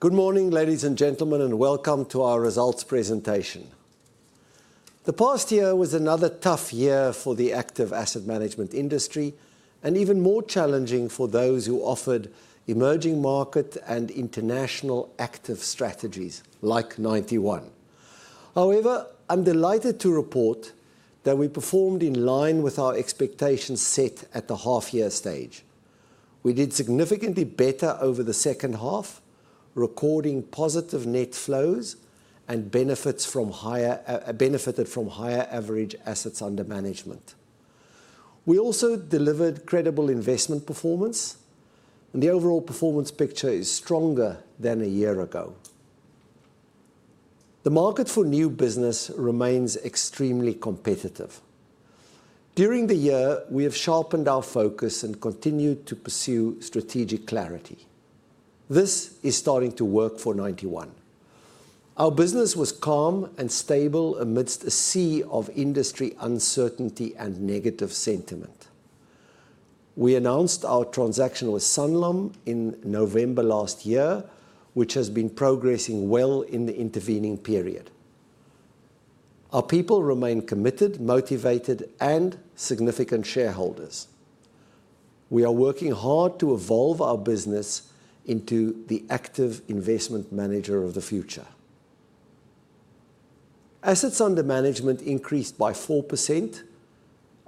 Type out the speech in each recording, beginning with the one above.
Good morning, ladies and gentlemen, and welcome to our results presentation. The past year was another tough year for the active asset management industry, and even more challenging for those who offered emerging market and international active strategies like Ninety One. However, I'm delighted to report that we performed in line with our expectations set at the half-year stage. We did significantly better over the second half, recording positive net flows and benefited from higher average assets under management. We also delivered credible investment performance, and the overall performance picture is stronger than a year ago. The market for new business remains extremely competitive. During the year, we have sharpened our focus and continued to pursue strategic clarity. This is starting to work for Ninety One. Our business was calm and stable amidst a sea of industry uncertainty and negative sentiment. We announced our transaction with Sanlam in November last year, which has been progressing well in the intervening period. Our people remain committed, motivated, and significant shareholders. We are working hard to evolve our business into the active investment manager of the future. Assets under management increased by 4%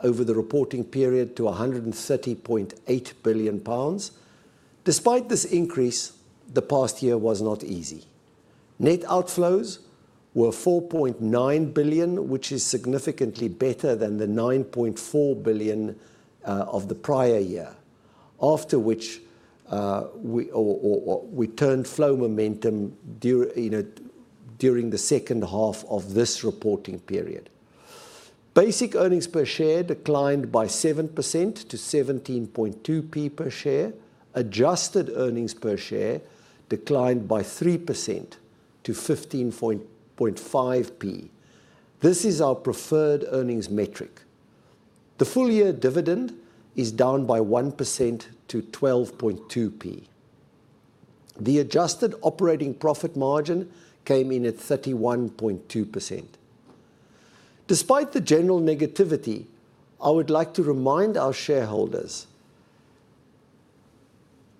over the reporting period to 130.8 billion pounds. Despite this increase, the past year was not easy. Net outflows were 4.9 billion, which is significantly better than the 9.4 billion of the prior year, after which we turned flow momentum during the second half of this reporting period. Basic earnings per share declined by 7% to 0.172 per share. Adjusted earnings per share declined by 3% to 0.155. This is our preferred earnings metric. The full-year dividend is down by 1% to 0.122. The adjusted operating profit margin came in at 31.2%. Despite the general negativity, I would like to remind our shareholders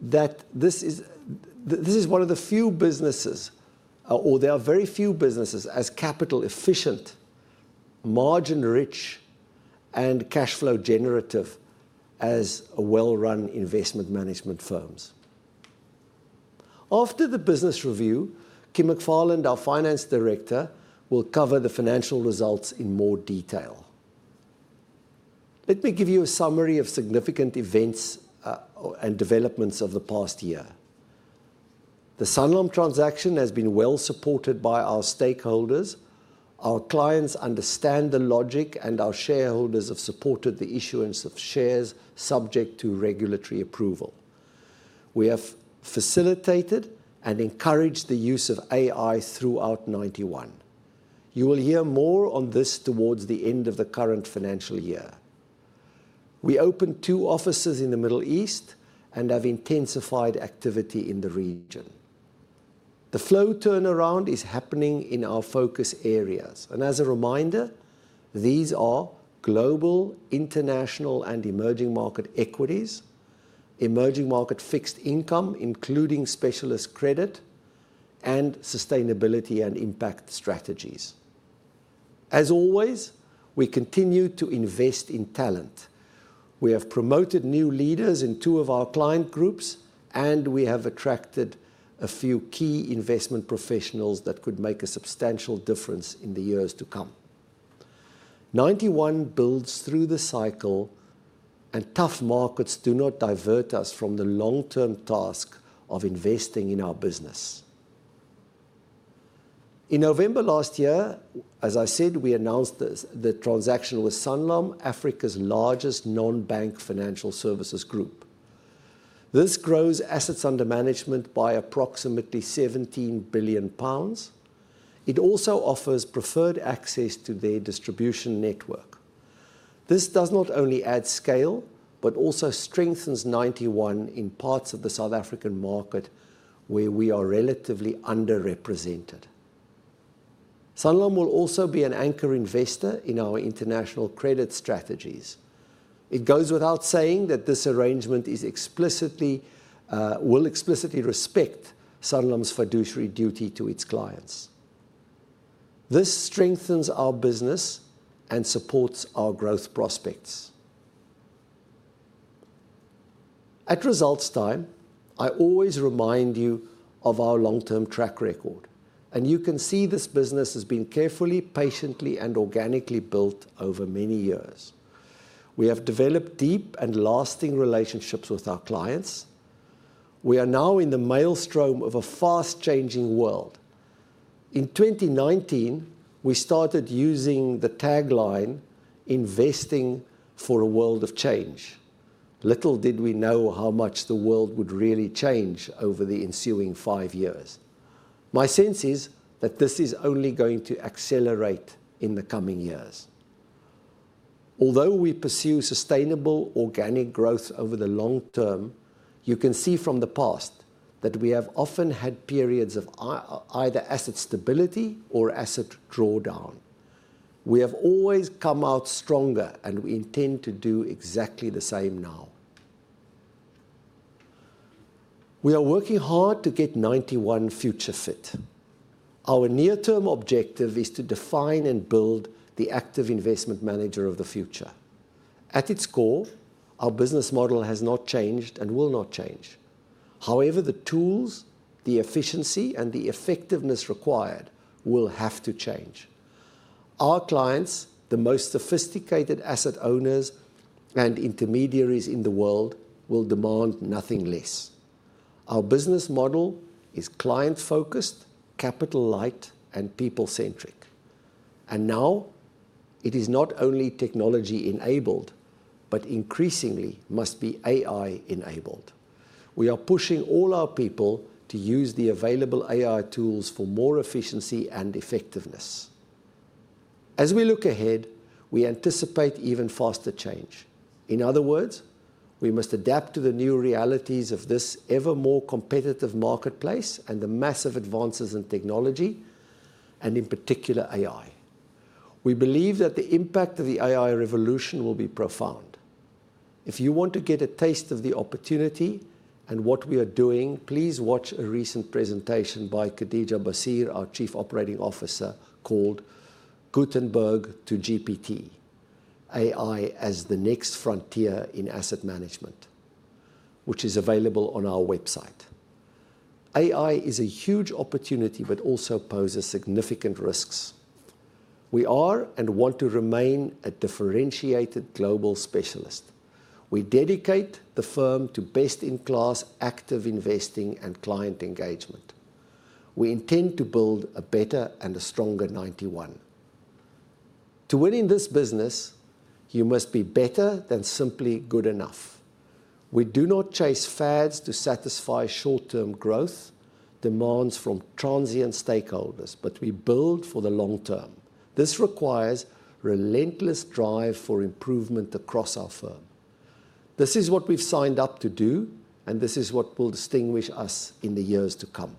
that this is one of the few businesses, or there are very few businesses, as capital efficient, margin-rich, and cash flow generative as well-run investment management firms. After the business review, Kim McFarland, our Finance Director, will cover the financial results in more detail. Let me give you a summary of significant events and developments of the past year. The Sanlam transaction has been well supported by our stakeholders. Our clients understand the logic, and our shareholders have supported the issuance of shares subject to regulatory approval. We have facilitated and encouraged the use of AI throughout Ninety One. You will hear more on this towards the end of the current financial year. We opened two offices in the Middle East and have intensified activity in the region. The flow turnaround is happening in our focus areas, and as a reminder, these are global, international, and emerging market equities, emerging market fixed income, including specialist credit, and sustainability and impact strategies. As always, we continue to invest in talent. We have promoted new leaders in two of our client groups, and we have attracted a few key investment professionals that could make a substantial difference in the years to come. Ninety One builds through the cycle, and tough markets do not divert us from the long-term task of investing in our business. In November last year, as I said, we announced the transaction with Sanlam, Africa's largest non-bank financial services group. This grows assets under management by approximately 17 billion pounds. It also offers preferred access to their distribution network. This does not only add scale, but also strengthens Ninety One in parts of the South African market where we are relatively underrepresented. Sanlam will also be an anchor investor in our international credit strategies. It goes without saying that this arrangement will explicitly respect Sanlam's fiduciary duty to its clients. This strengthens our business and supports our growth prospects. At results time, I always remind you of our long-term track record, and you can see this business has been carefully, patiently, and organically built over many years. We have developed deep and lasting relationships with our clients. We are now in the maelstrom of a fast-changing world. In 2019, we started using the tagline "Investing for a world of change." Little did we know how much the world would really change over the ensuing five years. My sense is that this is only going to accelerate in the coming years. Although we pursue sustainable organic growth over the long term, you can see from the past that we have often had periods of either asset stability or asset drawdown. We have always come out stronger, and we intend to do exactly the same now. We are working hard to get Ninety One future-fit. Our near-term objective is to define and build the active investment manager of the future. At its core, our business model has not changed and will not change. However, the tools, the efficiency, and the effectiveness required will have to change. Our clients, the most sophisticated asset owners and intermediaries in the world, will demand nothing less. Our business model is client-focused, capital-light, and people-centric. It is not only technology-enabled, but increasingly must be AI-enabled. We are pushing all our people to use the available AI tools for more efficiency and effectiveness. As we look ahead, we anticipate even faster change. In other words, we must adapt to the new realities of this ever-more competitive marketplace and the massive advances in technology, and in particular, AI. We believe that the impact of the AI revolution will be profound. If you want to get a taste of the opportunity and what we are doing, please watch a recent presentation by Khadeeja Bassier, our Chief Operating Officer, called "Gutenberg to GPT, AI as the next frontier in Asset Management," which is available on our website. AI is a huge opportunity, but also poses significant risks. We are and want to remain a differentiated global specialist. We dedicate the firm to best-in-class active investing and client engagement. We intend to build a better and a stronger Ninety One. To win in this business, you must be better than simply good enough. We do not chase fads to satisfy short-term growth demands from transient stakeholders, but we build for the long term. This requires a relentless drive for improvement across our firm. This is what we've signed up to do, and this is what will distinguish us in the years to come.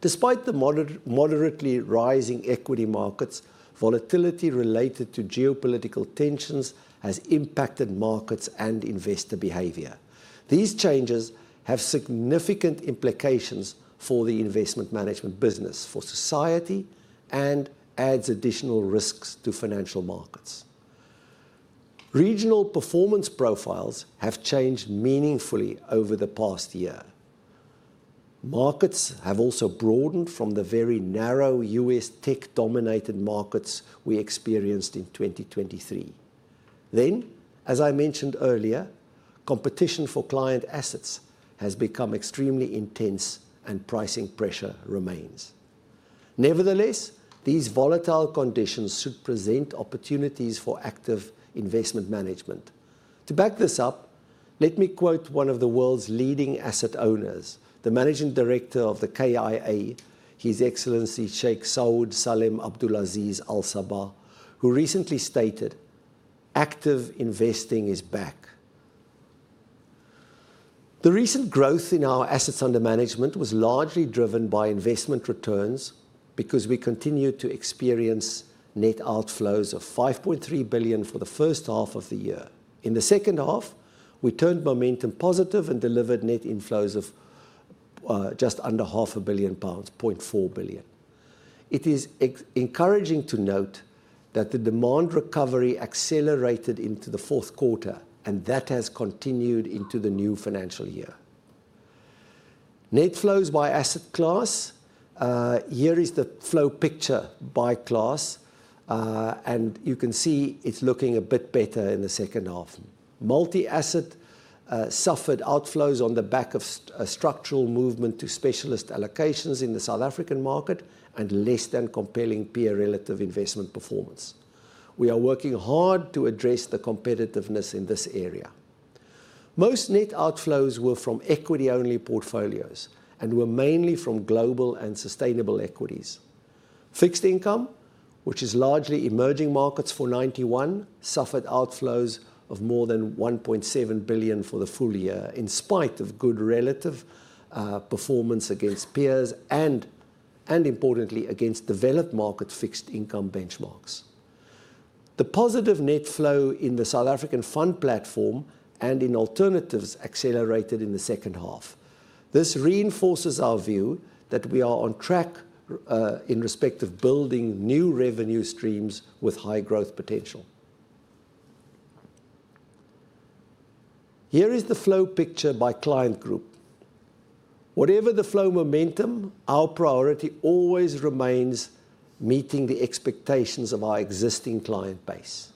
Despite the moderately rising equity markets, volatility related to geopolitical tensions has impacted markets and investor behavior. These changes have significant implications for the investment management business, for society, and add additional risks to financial markets. Regional performance profiles have changed meaningfully over the past year. Markets have also broadened from the very narrow U.S. tech-dominated markets we experienced in 2023. As I mentioned earlier, competition for client assets has become extremely intense, and pricing pressure remains. Nevertheless, these volatile conditions should present opportunities for active investment management. To back this up, let me quote one of the world's leading asset owners, the Managing Director of the KIA, His Excellency Sheikh Saoud Salem Abdulaziz Al-Sabah, who recently stated, "Active investing is back." The recent growth in our assets under management was largely driven by investment returns because we continued to experience net outflows of 5.3 billion for the first half of the year. In the second half, we turned momentum positive and delivered net inflows of just under 5.4 billion pounds. It is encouraging to note that the demand recovery accelerated into the fourth quarter, and that has continued into the new financial year. Net flows by asset class, here is the flow picture by class, and you can see it is looking a bit better in the second half. Multi-asset suffered outflows on the back of structural movement to specialist allocations in the South African market and less than compelling peer-relative investment performance. We are working hard to address the competitiveness in this area. Most net outflows were from equity-only portfolios and were mainly from global and sustainable equities. Fixed income, which is largely emerging markets for Ninety One, suffered outflows of more than 1.7 billion for the full year in spite of good relative performance against peers and, importantly, against developed market fixed income benchmarks. The positive net flow in the South African fund platform and in alternatives accelerated in the second half. This reinforces our view that we are on track in respect of building new revenue streams with high growth potential. Here is the flow picture by client group. Whatever the flow momentum, our priority always remains meeting the expectations of our existing client base.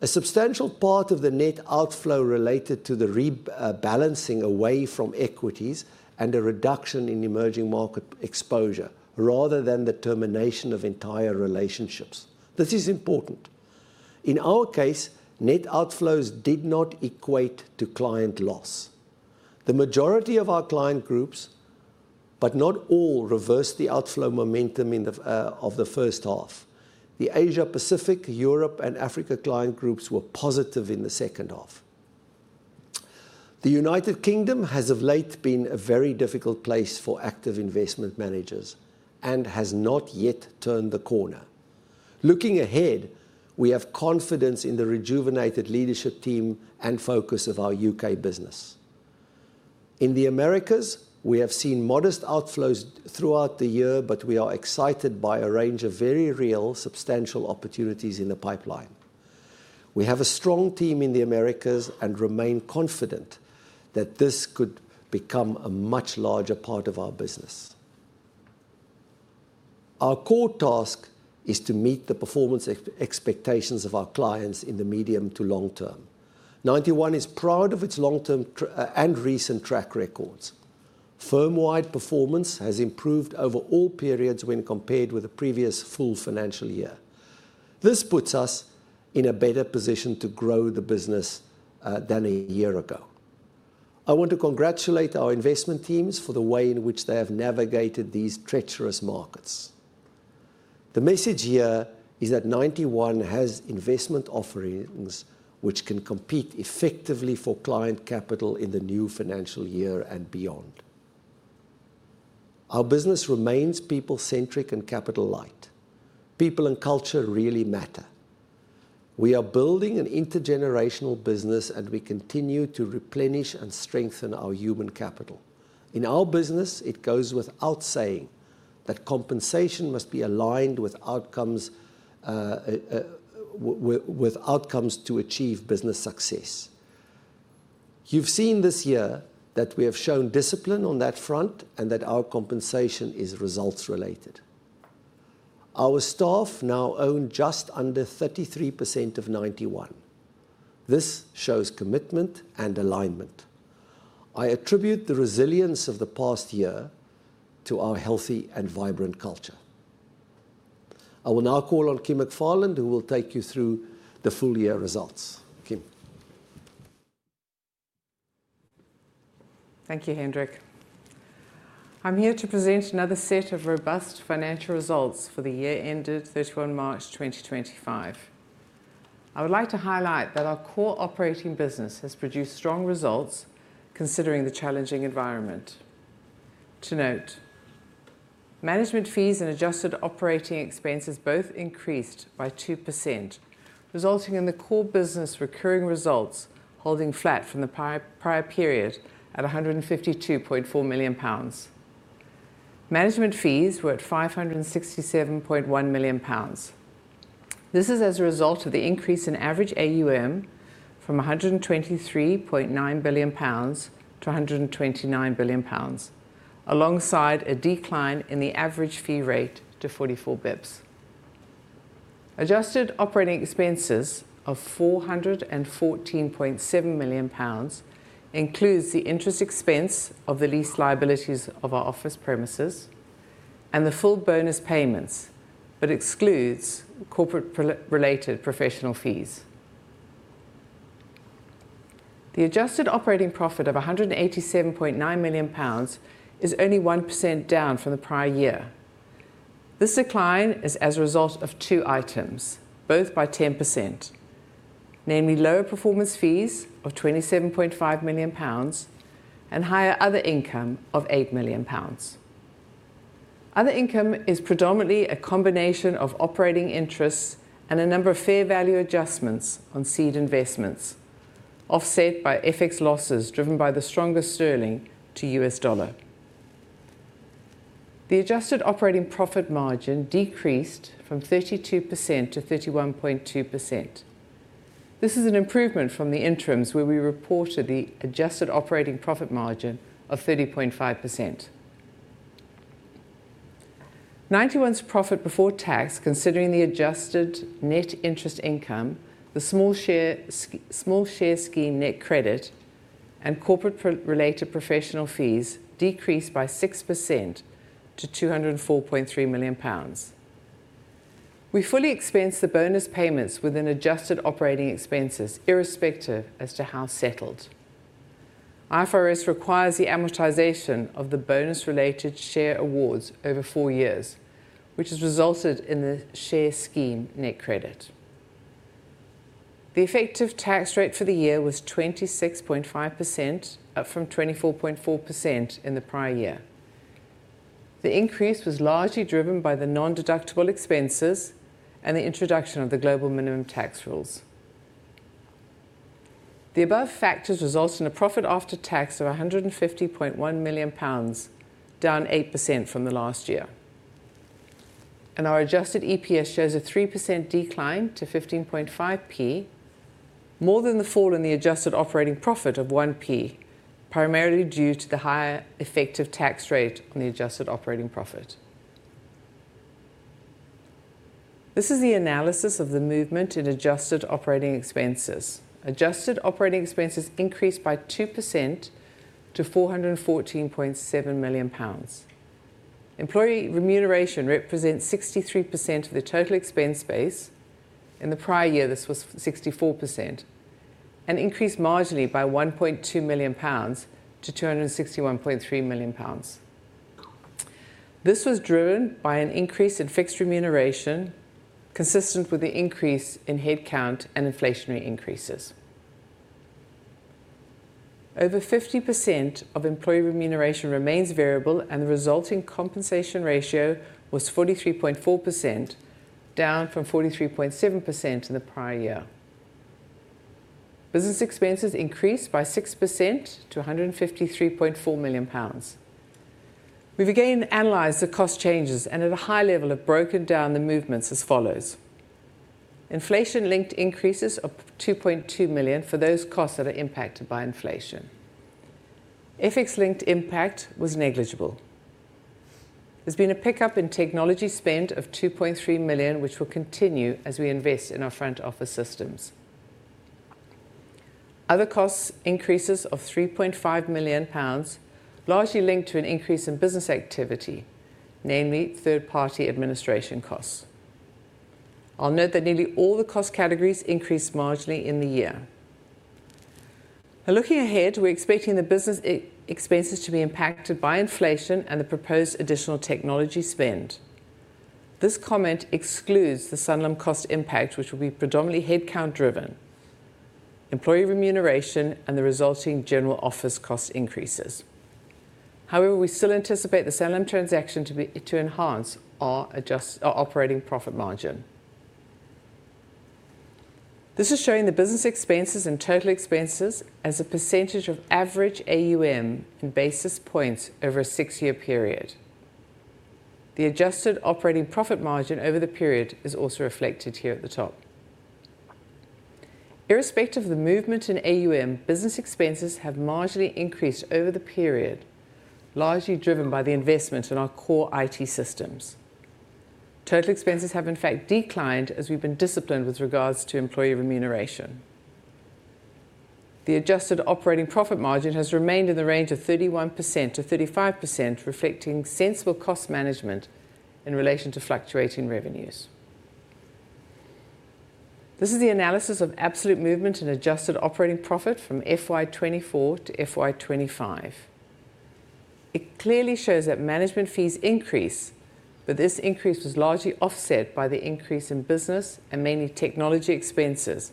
A substantial part of the net outflow related to the rebalancing away from equities and a reduction in emerging market exposure, rather than the termination of entire relationships. This is important. In our case, net outflows did not equate to client loss. The majority of our client groups, but not all, reversed the outflow momentum of the first half. The Asia-Pacific, Europe, and Africa client groups were positive in the second half. The United Kingdom has of late been a very difficult place for active investment managers and has not yet turned the corner. Looking ahead, we have confidence in the rejuvenated leadership team and focus of our U.K. business. In the Americas, we have seen modest outflows throughout the year, but we are excited by a range of very real substantial opportunities in the pipeline. We have a strong team in the Americas and remain confident that this could become a much larger part of our business. Our core task is to meet the performance expectations of our clients in the medium to long term. Ninety One is proud of its long-term and recent track records. Firm-wide performance has improved over all periods when compared with the previous full financial year. This puts us in a better position to grow the business than a year ago. I want to congratulate our investment teams for the way in which they have navigated these treacherous markets. The message here is that Ninety One has investment offerings which can compete effectively for client capital in the new financial year and beyond. Our business remains people-centric and capital-light. People and culture really matter. We are building an intergenerational business, and we continue to replenish and strengthen our human capital. In our business, it goes without saying that compensation must be aligned with outcomes to achieve business success. You've seen this year that we have shown discipline on that front and that our compensation is results-related. Our staff now own just under 33% of Ninety One. This shows commitment and alignment. I attribute the resilience of the past year to our healthy and vibrant culture. I will now call on Kim McFarland, who will take you through the full year results. Kim. Thank you, Hendrik. I'm here to present another set of robust financial results for the year ended 31 March 2025. I would like to highlight that our core operating business has produced strong results considering the challenging environment. To note, management fees and adjusted operating expenses both increased by 2%, resulting in the core business recurring results holding flat from the prior period at 152.4 million pounds. Management fees were at 567.1 million pounds. This is as a result of the increase in average AUM from 123.9 billion pounds to 129 billion pounds, alongside a decline in the average fee rate to 44 bips. Adjusted operating expenses of 414.7 million pounds includes the interest expense of the lease liabilities of our office premises and the full bonus payments, but excludes corporate-related professional fees. The adjusted operating profit of 187.9 million pounds is only 1% down from the prior year. This decline is as a result of two items, both by 10%, namely lower performance fees of 27.5 million pounds and higher other income of 8 million pounds. Other income is predominantly a combination of operating interests and a number of fair value adjustments on seed investments, offset by FX losses driven by the stronger sterling to US dollar. The adjusted operating profit margin decreased from 32% to 31.2%. This is an improvement from the interims where we reported the adjusted operating profit margin of 30.5%. Ninety One's profit before tax, considering the adjusted net interest income, the small share scheme net credit, and corporate-related professional fees decreased by 6% to 204.3 million pounds. We fully expense the bonus payments within adjusted operating expenses irrespective as to how settled. IFRS requires the amortization of the bonus-related share awards over four years, which has resulted in the share scheme net credit. The effective tax rate for the year was 26.5%, up from 24.4% in the prior year. The increase was largely driven by the non-deductible expenses and the introduction of the global minimum tax rules. The above factors result in a profit after tax of 150.1 million pounds, down 8% from the last year. Our adjusted EPS shows a 3% decline to 0.155, more than the fall in the adjusted operating profit of 0.01, primarily due to the higher effective tax rate on the adjusted operating profit. This is the analysis of the movement in adjusted operating expenses. Adjusted operating expenses increased by 2% to 414.7 million pounds. Employee remuneration represents 63% of the total expense base. In the prior year, this was 64%, and increased marginally by 1.2 million pounds to 261.3 million pounds. This was driven by an increase in fixed remuneration consistent with the increase in headcount and inflationary increases. Over 50% of employee remuneration remains variable, and the resulting compensation ratio was 43.4%, down from 43.7% in the prior year. Business expenses increased by 6% to 153.4 million pounds. We have again analyzed the cost changes and at a high level have broken down the movements as follows. Inflation-linked increases of 2.2 million for those costs that are impacted by inflation. FX-linked impact was negligible. There has been a pickup in technology spend of 2.3 million, which will continue as we invest in our front office systems. Other cost increases of 3.5 million pounds largely linked to an increase in business activity, namely third-party administration costs. I will note that nearly all the cost categories increased marginally in the year. Looking ahead, we are expecting the business expenses to be impacted by inflation and the proposed additional technology spend. This comment excludes the Sanlam cost impact, which will be predominantly headcount-driven, employee remuneration, and the resulting general office cost increases. However, we still anticipate the Sanlam transaction to enhance our operating profit margin. This is showing the business expenses and total expenses as a percentage of average AUM in basis points over a six-year period. The adjusted operating profit margin over the period is also reflected here at the top. Irrespective of the movement in AUM, business expenses have marginally increased over the period, largely driven by the investment in our core IT systems. Total expenses have, in fact, declined as we've been disciplined with regards to employee remuneration. The adjusted operating profit margin has remained in the range of 31%-35%, reflecting sensible cost management in relation to fluctuating revenues. This is the analysis of absolute movement in adjusted operating profit from FY 2024 to FY 2025. It clearly shows that management fees increase, but this increase was largely offset by the increase in business and mainly technology expenses,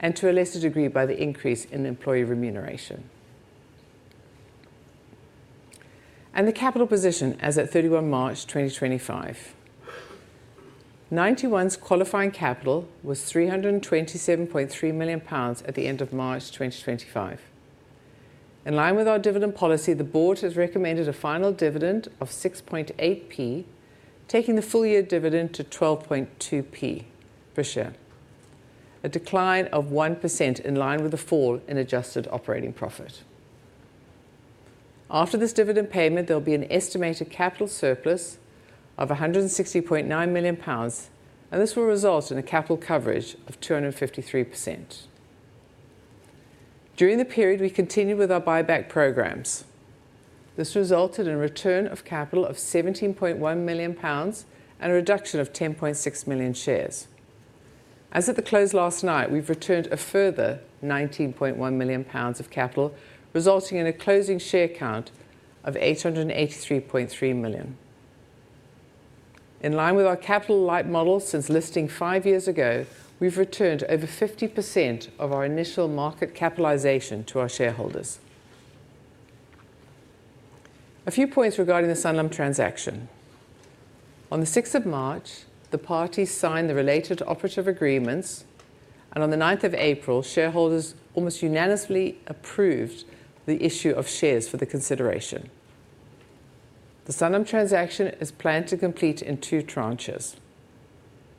and to a lesser degree by the increase in employee remuneration. The capital position as at 31 March 2025. Ninety One's qualifying capital was 327.3 million pounds at the end of March 2025. In line with our dividend policy, the board has recommended a final dividend of 0.068, taking the full year dividend to 0.122 per share. A decline of 1% in line with the fall in adjusted operating profit. After this dividend payment, there will be an estimated capital surplus of 160.9 million pounds, and this will result in a capital coverage of 253%. During the period, we continued with our buyback programs. This resulted in a return of capital of 17.1 million pounds and a reduction of 10.6 million shares. As at the close last night, we've returned a further 19.1 million pounds of capital, resulting in a closing share count of 883.3 million shares. In line with our capital-light model, since listing five years ago, we've returned over 50% of our initial market capitalization to our shareholders. A few points regarding the Sanlam transaction. On the 6th of March, the parties signed the related operative agreements, and on the 9th of April, shareholders almost unanimously approved the issue of shares for the consideration. The Sanlam transaction is planned to complete in two tranches.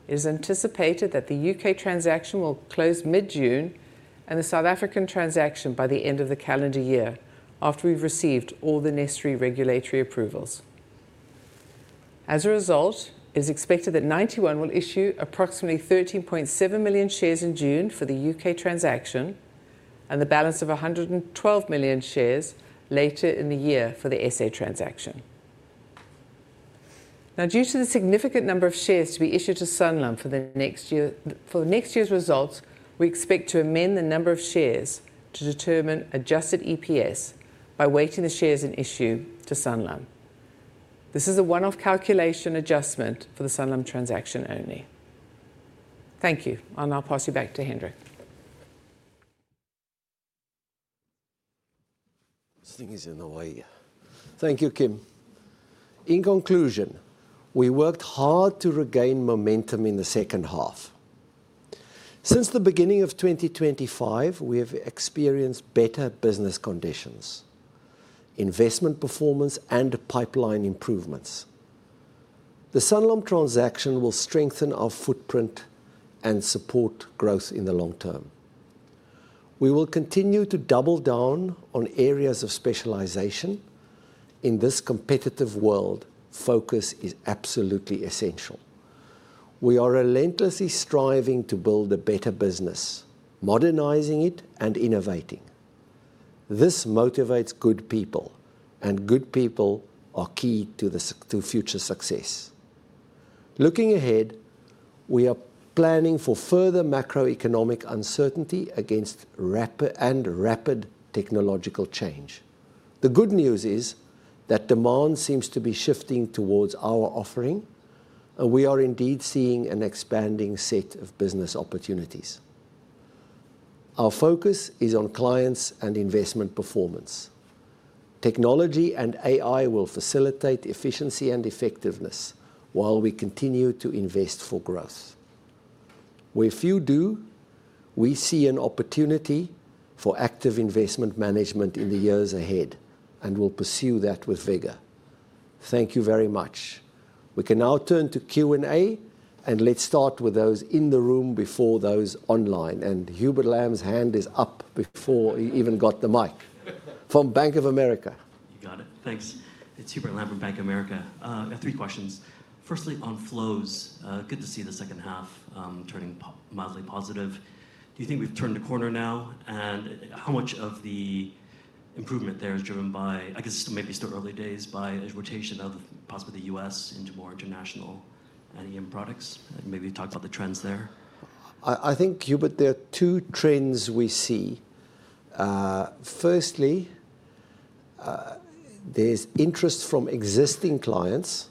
It is anticipated that the U.K. transaction will close mid-June and the South African transaction by the end of the calendar year, after we've received all the necessary regulatory approvals. As a result, it is expected that Ninety One will issue approximately 13.7 million shares in June for the U.K. transaction and the balance of 112 million shares later in the year for the SA transaction. Now, due to the significant number of shares to be issued to Sanlam for the next year's results, we expect to amend the number of shares to determine adjusted EPS by weighting the shares in issue to Sanlam. This is a one-off calculation adjustment for the Sanlam transaction only. Thank you, and I'll pass you back to Hendrik. Something is in the way. Thank you, Kim. In conclusion, we worked hard to regain momentum in the second half. Since the beginning of 2025, we have experienced better business conditions, investment performance, and pipeline improvements. The Sanlam transaction will strengthen our footprint and support growth in the long term. We will continue to double down on areas of specialization. In this competitive world, focus is absolutely essential. We are relentlessly striving to build a better business, modernizing it and innovating. This motivates good people, and good people are key to future success. Looking ahead, we are planning for further macroeconomic uncertainty and rapid technological change. The good news is that demand seems to be shifting towards our offering, and we are indeed seeing an expanding set of business opportunities. Our focus is on clients and investment performance. Technology and AI will facilitate efficiency and effectiveness while we continue to invest for growth. Where few do, we see an opportunity for active investment management in the years ahead and will pursue that with vigor. Thank you very much. We can now turn to Q&A, and let's start with those in the room before those online. Hubert Lam's hand is up before he even got the mic. From Bank of America. You got it. Thanks. It's Hubert Lam from Bank of America. I have three questions. Firstly, on flows, good to see the second half turning mildly positive. Do you think we've turned the corner now, and how much of the improvement there is driven by, I guess, maybe still early days, by a rotation of possibly the U.S. into more international and EM products? Maybe talk about the trends there. I think, Hubert, there are two trends we see. Firstly, there's interest from existing clients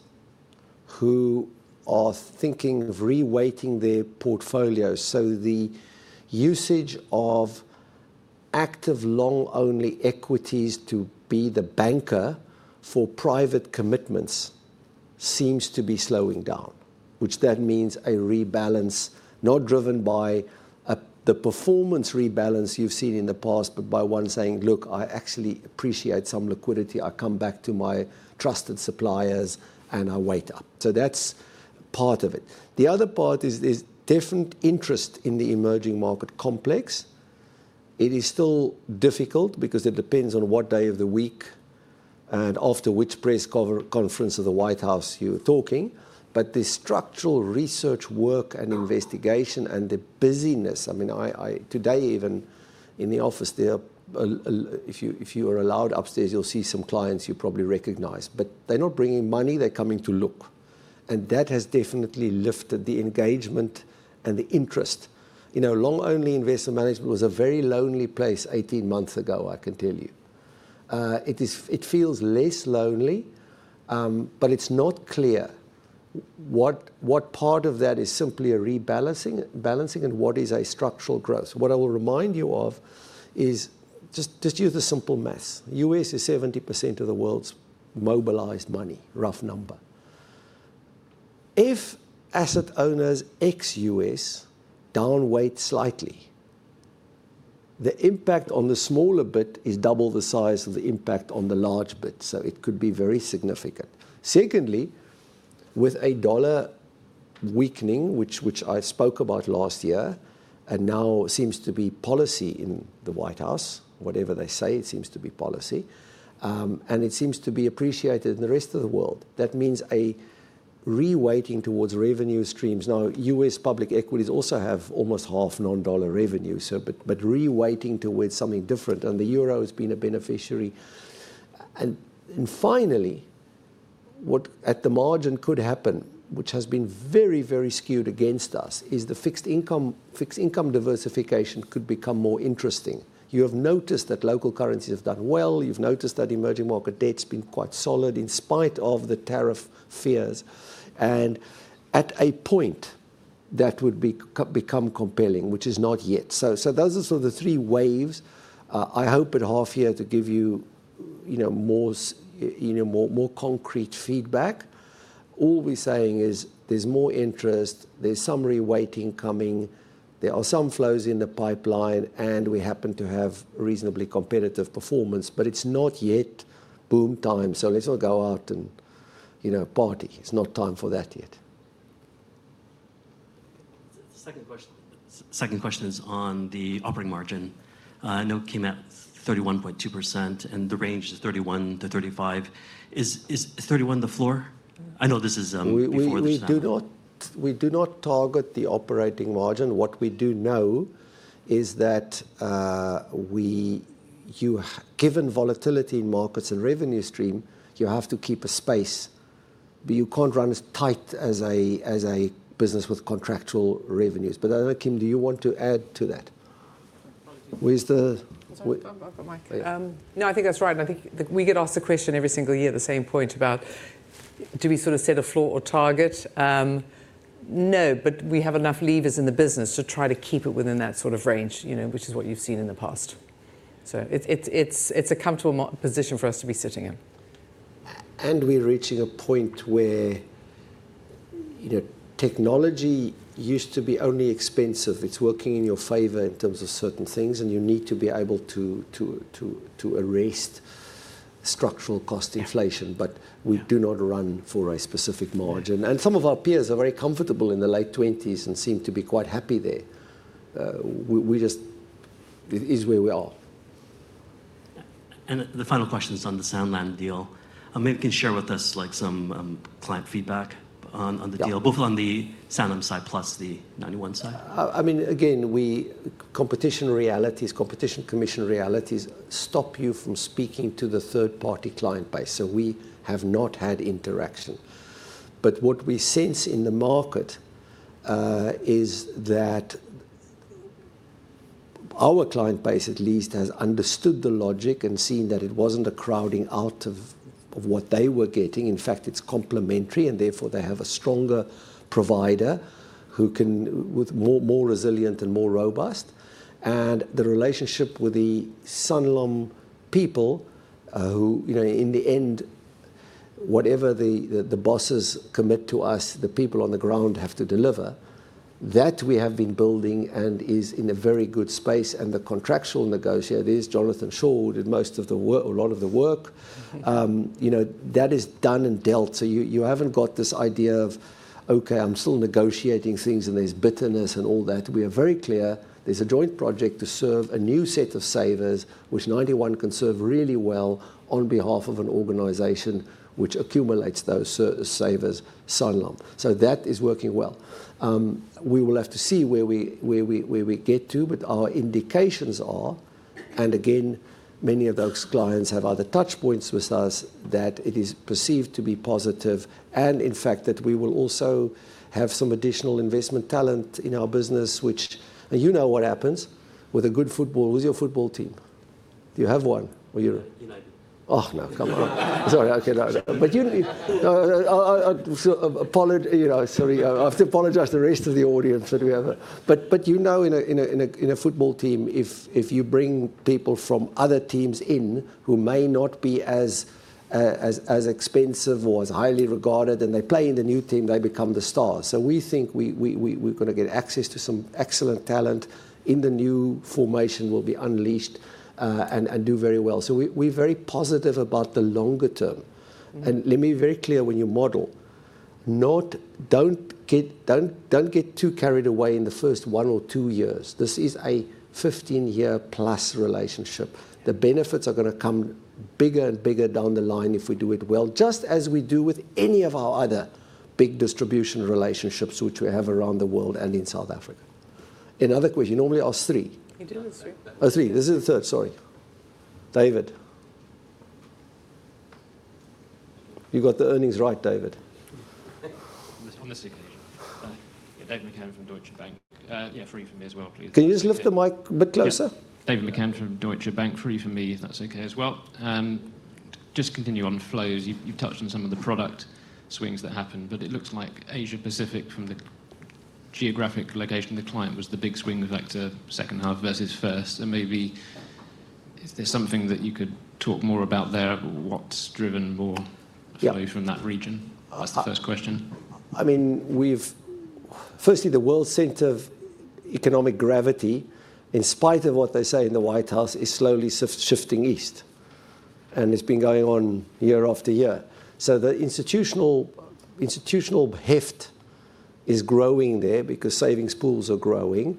who are thinking of reweighting their portfolios. The usage of active long-only equities to be the banker for private commitments seems to be slowing down, which means a rebalance not driven by the performance rebalance you've seen in the past, but by one saying, "Look, I actually appreciate some liquidity. I come back to my trusted suppliers and I weight up." That's part of it. The other part is there's different interest in the emerging market complex. It is still difficult because it depends on what day of the week and after which press conference of the White House you're talking. The structural research work and investigation and the busyness, I mean, today even in the office, if you are allowed upstairs, you'll see some clients you probably recognize, but they're not bringing money. They're coming to look. That has definitely lifted the engagement and the interest. You know, long-only investment management was a very lonely place 18 months ago, I can tell you. It feels less lonely, but it's not clear what part of that is simply a rebalancing and what is a structural growth. What I will remind you of is just use the simple math. U.S. is 70% of the world's mobilized money, rough number. If asset owners ex-U.S. downweight slightly, the impact on the smaller bit is double the size of the impact on the large bit, so it could be very significant. Secondly, with a dollar weakening, which I spoke about last year and now seems to be policy in the White House, whatever they say, it seems to be policy, and it seems to be appreciated in the rest of the world. That means a reweighting towards revenue streams. Now, U.S. public equities also have almost half non-dollar revenue, but reweighting towards something different. The euro has been a beneficiary. Finally, what at the margin could happen, which has been very, very skewed against us, is the fixed income diversification could become more interesting. You have noticed that local currencies have done well. You have noticed that emerging market debt's been quite solid in spite of the tariff fears. At a point, that would become compelling, which is not yet. Those are sort of the three waves. I hope at half year to give you more concrete feedback. All we're saying is there's more interest, there's some reweighting coming, there are some flows in the pipeline, and we happen to have reasonably competitive performance, but it's not yet boom time. Let's not go out and party. It's not time for that yet. The second question is on the operating margin. I know it came at 31.2%, and the range is 31%-35%. Is 31% the floor? I know this is before this time. We do not target the operating margin. What we do know is that given volatility in markets and revenue stream, you have to keep a space. You can't run as tight as a business with contractual revenues. I don't know, Kim, do you want to add to that? Where's the? Mic? No, I think that's right. I think we get asked the question every single year, the same point about do we sort of set a floor or target? No, but we have enough levers in the business to try to keep it within that sort of range, which is what you have seen in the past. It is a comfortable position for us to be sitting in. We are reaching a point where technology used to be only expensive. It is working in your favor in terms of certain things, and you need to be able to arrest structural cost inflation, but we do not run for a specific margin. Some of our peers are very comfortable in the late 20s and seem to be quite happy there. It is where we are. The final question is on the Sanlam deal. Maybe you can share with us some client feedback on the deal, both on the Sanlam side plus the Ninety One side. I mean, again, competition realities, competition commission realities stop you from speaking to the third-party client base. We have not had interaction. What we sense in the market is that our client base, at least, has understood the logic and seen that it was not a crowding out of what they were getting. In fact, it is complementary, and therefore they have a stronger provider with more resilience and more robust. The relationship with the Sanlam people, in the end, whatever the bosses commit to us, the people on the ground have to deliver, that we have been building and is in a very good space. The contractual negotiator is Jonathan Shaw, who did most of the work, a lot of the work. That is done and dealt. You have not got this idea of, "Okay, I am still negotiating things," and there is bitterness and all that. We are very clear there is a joint project to serve a new set of savers, which Ninety One can serve really well on behalf of an organization which accumulates those savers, Sanlam. That is working well. We will have to see where we get to, but our indications are, and again, many of those clients have other touchpoints with us, that it is perceived to be positive and, in fact, that we will also have some additional investment talent in our business, which, and you know what happens with a good football, who is your football team? Do you have one? United. Oh, no, come on. Sorry, I cannot. Sorry, I have to apologize to the rest of the audience that we have. You know, in a football team, if you bring people from other teams in who may not be as expensive or as highly regarded, and they play in the new team, they become the stars. We think we're going to get access to some excellent talent in the new formation will be unleashed and do very well. We are very positive about the longer term. Let me be very clear when you model, do not get too carried away in the first one or two years. This is a 15-year-plus relationship. The benefits are going to come bigger and bigger down the line if we do it well, just as we do with any of our other big distribution relationships which we have around the world and in South Africa. Another question. You normally ask three. You do ask three. Oh, three. This is the third, sorry. David. You got the earnings right, David. On this occasion, David McCann from Deutsche Bank. Yeah, three for me as well, please. Can you just lift the mic a bit closer? David McCann from Deutsche Bank, three for me if that's okay as well. Just continue on flows. You've touched on some of the product swings that happened, but it looks like Asia-Pacific, from the geographic location, the client was the big swing factor, second half versus first. Is there something that you could talk more about there, what's driven more flows from that region? That's the first question. I mean, firstly, the world center of economic gravity, in spite of what they say in the White House, is slowly shifting east, and it's been going on year after year. The institutional heft is growing there because savings pools are growing,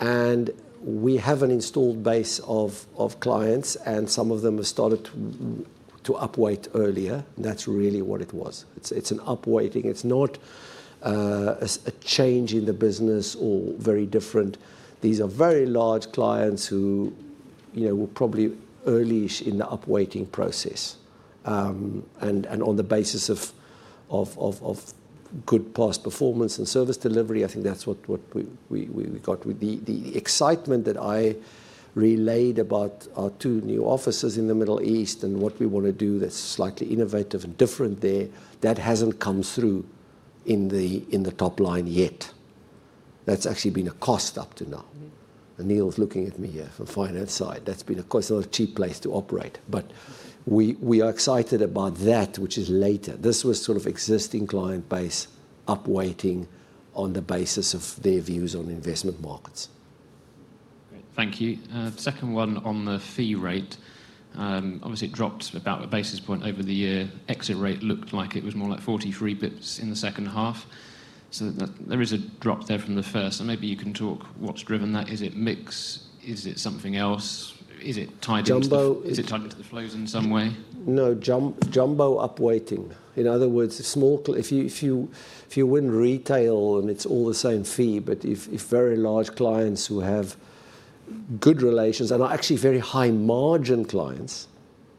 and we have an installed base of clients, and some of them have started to upweight earlier. That's really what it was. It's an upweighting. It's not a change in the business or very different. These are very large clients who were probably early in the upweighting process. On the basis of good past performance and service delivery, I think that's what we got. The excitement that I relayed about our two new offices in the Middle East and what we want to do that's slightly innovative and different there, that hasn't come through in the top line yet. That's actually been a cost up to now. Neil's looking at me here from the finance side. That's been a cost, not a cheap place to operate. We are excited about that, which is later. This was sort of existing client base upweighting on the basis of their views on investment markets. Great. Thank you. Second one on the fee rate. Obviously, it dropped about a basis point over the year. Exit rate looked like it was more like 43 bips in the second half. There is a drop there from the first. Maybe you can talk what's driven that. Is it mix? Is it something else? Is it tied into the flows in some way? No, jumbo upweighting. In other words, if you win retail, and it's all the same fee, but if very large clients who have good relations and are actually very high margin clients,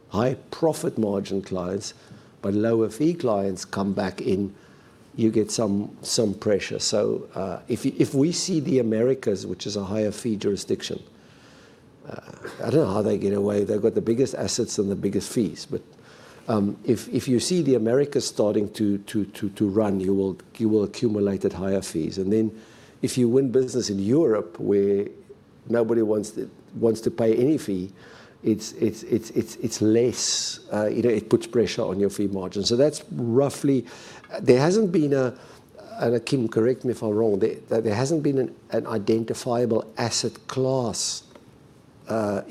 high profit margin clients, but lower fee clients come back in, you get some pressure. If we see the Americas, which is a higher fee jurisdiction, I do not know how they get away. They've got the biggest assets and the biggest fees. If you see the Americas starting to run, you will accumulate at higher fees. If you win business in Europe, where nobody wants to pay any fee, it's less. It puts pressure on your fee margin. That's roughly, there hasn't been a, and Kim, correct me if I'm wrong, there hasn't been an identifiable asset class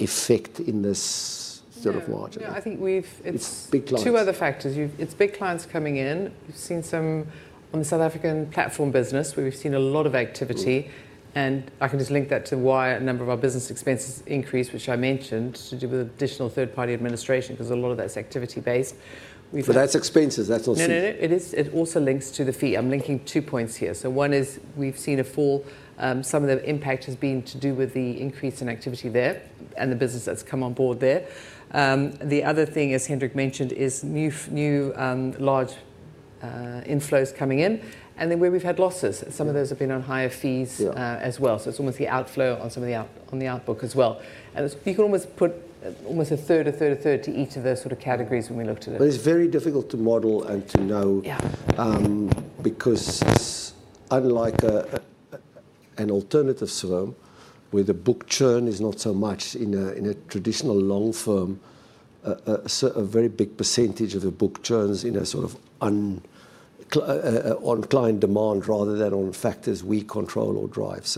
effect in this sort of margin. Yeah, I think we've two other factors. It's big clients coming in. We've seen some on the South African platform business, where we've seen a lot of activity. I can just link that to why a number of our business expenses increased, which I mentioned, to do with additional third-party administration because a lot of that's activity-based. That's expenses. That's also. No, it is. It also links to the fee. I'm linking two points here. One is we've seen a fall. Some of the impact has been to do with the increase in activity there and the business that's come on board there. The other thing, as Hendrik mentioned, is new large inflows coming in, and then where we've had losses. Some of those have been on higher fees as well. It's almost the outflow on some of the outlook as well. You can almost put almost a third, a third, a third to each of those sort of categories when we looked at it. It's very difficult to model and to know because it's unlike an alternative swarm where the book churn is not so much in a traditional long-term, a very big percentage of the book churns in a sort of on client demand rather than on factors we control or drive.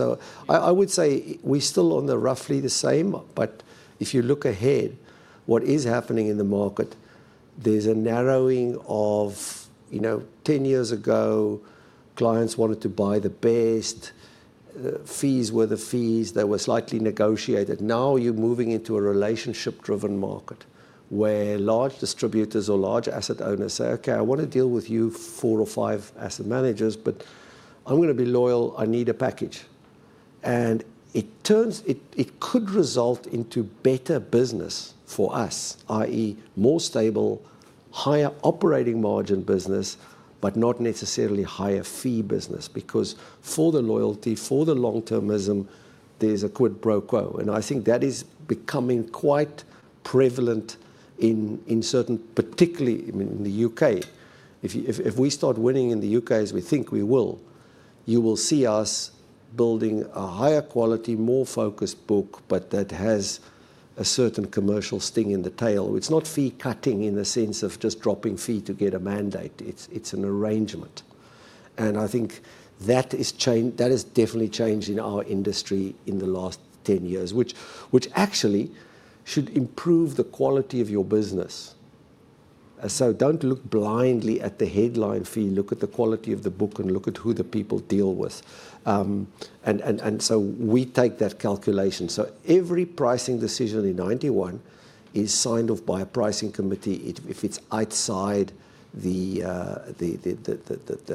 I would say we're still on roughly the same, but if you look ahead, what is happening in the market, there's a narrowing. Ten years ago, clients wanted to buy the best, fees were the fees, they were slightly negotiated. Now you're moving into a relationship-driven market where large distributors or large asset owners say, "Okay, I want to deal with you four or five asset managers, but I'm going to be loyal. I need a package." It could result in better business for us, i.e., more stable, higher operating margin business, but not necessarily higher fee business because for the loyalty, for the long-termism, there's a quid pro quo. I think that is becoming quite prevalent in certain, particularly in the U.K. If we start winning in the U.K., as we think we will, you will see us building a higher quality, more focused book, but that has a certain commercial sting in the tail. It's not fee cutting in the sense of just dropping fee to get a mandate. It's an arrangement. I think that has definitely changed in our industry in the last 10 years, which actually should improve the quality of your business. Do not look blindly at the headline fee. Look at the quality of the book and look at who the people deal with. We take that calculation. Every pricing decision in Ninety One is signed off by a pricing committee if it's outside the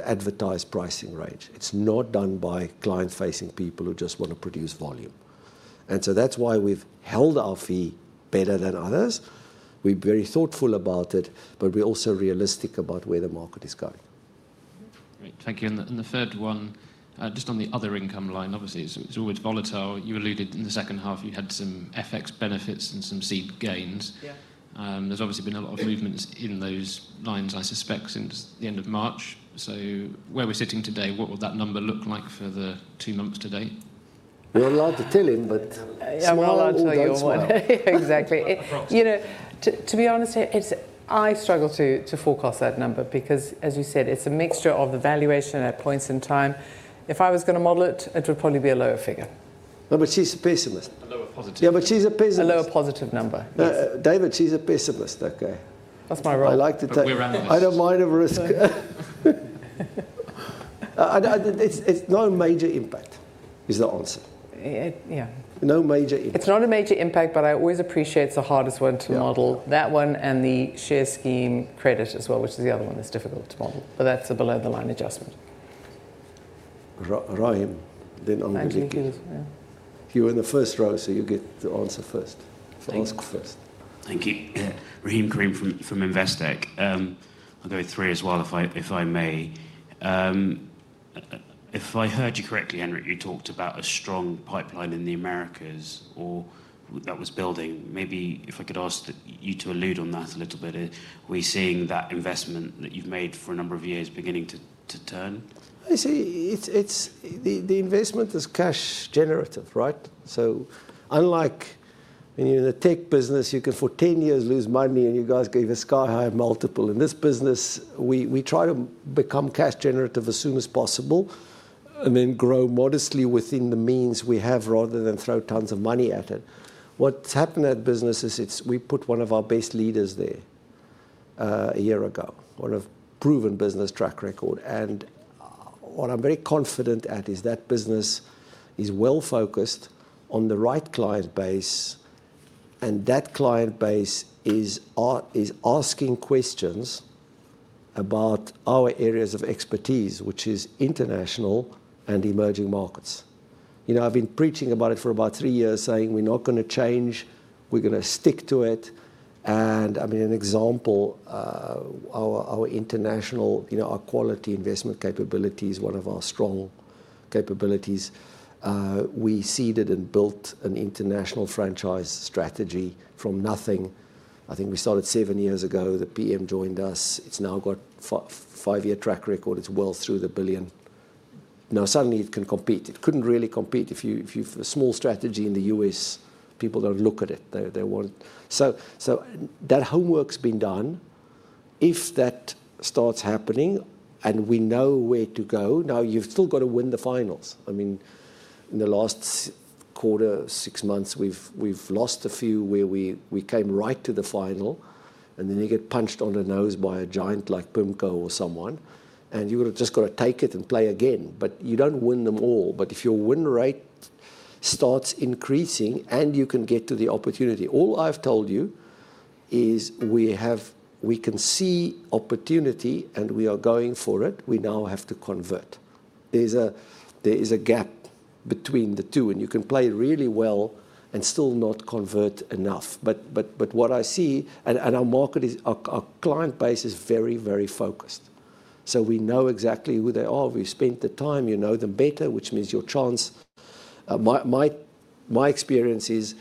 advertised pricing range. It's not done by client-facing people who just want to produce volume. That is why we've held our fee better than others. We're very thoughtful about it, but we're also realistic about where the market is going. Great. Thank you. The third one, just on the other income line, obviously, it's always volatile. You alluded in the second half, you had some FX benefits and some seed gains. There's obviously been a lot of movements in those lines, I suspect, since the end of March. Where we're sitting today, what will that number look like for the two months to date? We're allowed to tell him, but. Smaller than the old one. Exactly. To be honest, I struggle to forecast that number because, as you said, it's a mixture of the valuation at points in time. If I was going to model it, it would probably be a lower figure. No, but she's a pessimist. A lower positive. Yeah, but she's a pessimist. A lower positive number. David, she's a pessimist, okay? That's my rule. I like to take it. I don't mind a risk. It's no major impact is the answer. Yeah. No major impact. It's not a major impact, but I always appreciate it's the hardest one to model, that one and the share scheme credit as well, which is the other one that's difficult to model. But that's a below-the-line adjustment. Rahim, then I'll give you. I'll give you as well. You're in the first row, so you get to answer first. So ask first. Thank you. Rahim Karim from Investec. I'll go with three as well, if I may. If I heard you correctly, Hendrik, you talked about a strong pipeline in the Americas that was building. Maybe if I could ask you to allude on that a little bit, are we seeing that investment that you've made for a number of years beginning to turn? I see. The investment is cash generative, right? Unlike in the tech business, you can for 10 years lose money and you guys gave a sky-high multiple. In this business, we try to become cash generative as soon as possible and then grow modestly within the means we have rather than throw tons of money at it. What's happened in that business is we put one of our best leaders there a year ago, one with a proven business track record. What I'm very confident at is that business is well-focused on the right client base, and that client base is asking questions about our areas of expertise, which is international and emerging markets. I've been preaching about it for about three years, saying we're not going to change, we're going to stick to it. I mean, an example, our international, our quality investment capability is one of our strong capabilities. We seeded and built an international franchise strategy from nothing. I think we started seven years ago, the PM joined us. It's now got a five-year track record, it's well through the billion. Now suddenly it can compete. It couldn't really compete if you have a small strategy in the U.S., people don't look at it. That homework's been done. If that starts happening and we know where to go, now you've still got to win the finals. I mean, in the last quarter, six months, we've lost a few where we came right to the final, and then you get punched on the nose by a giant like PIMCO or someone, and you've just got to take it and play again. You don't win them all. If your win rate starts increasing and you can get to the opportunity, all I've told you is we can see opportunity and we are going for it, we now have to convert. There's a gap between the two, and you can play really well and still not convert enough. What I see, and our client base is very, very focused. We know exactly who they are. We've spent the time, you know them better, which means your chance. My experience is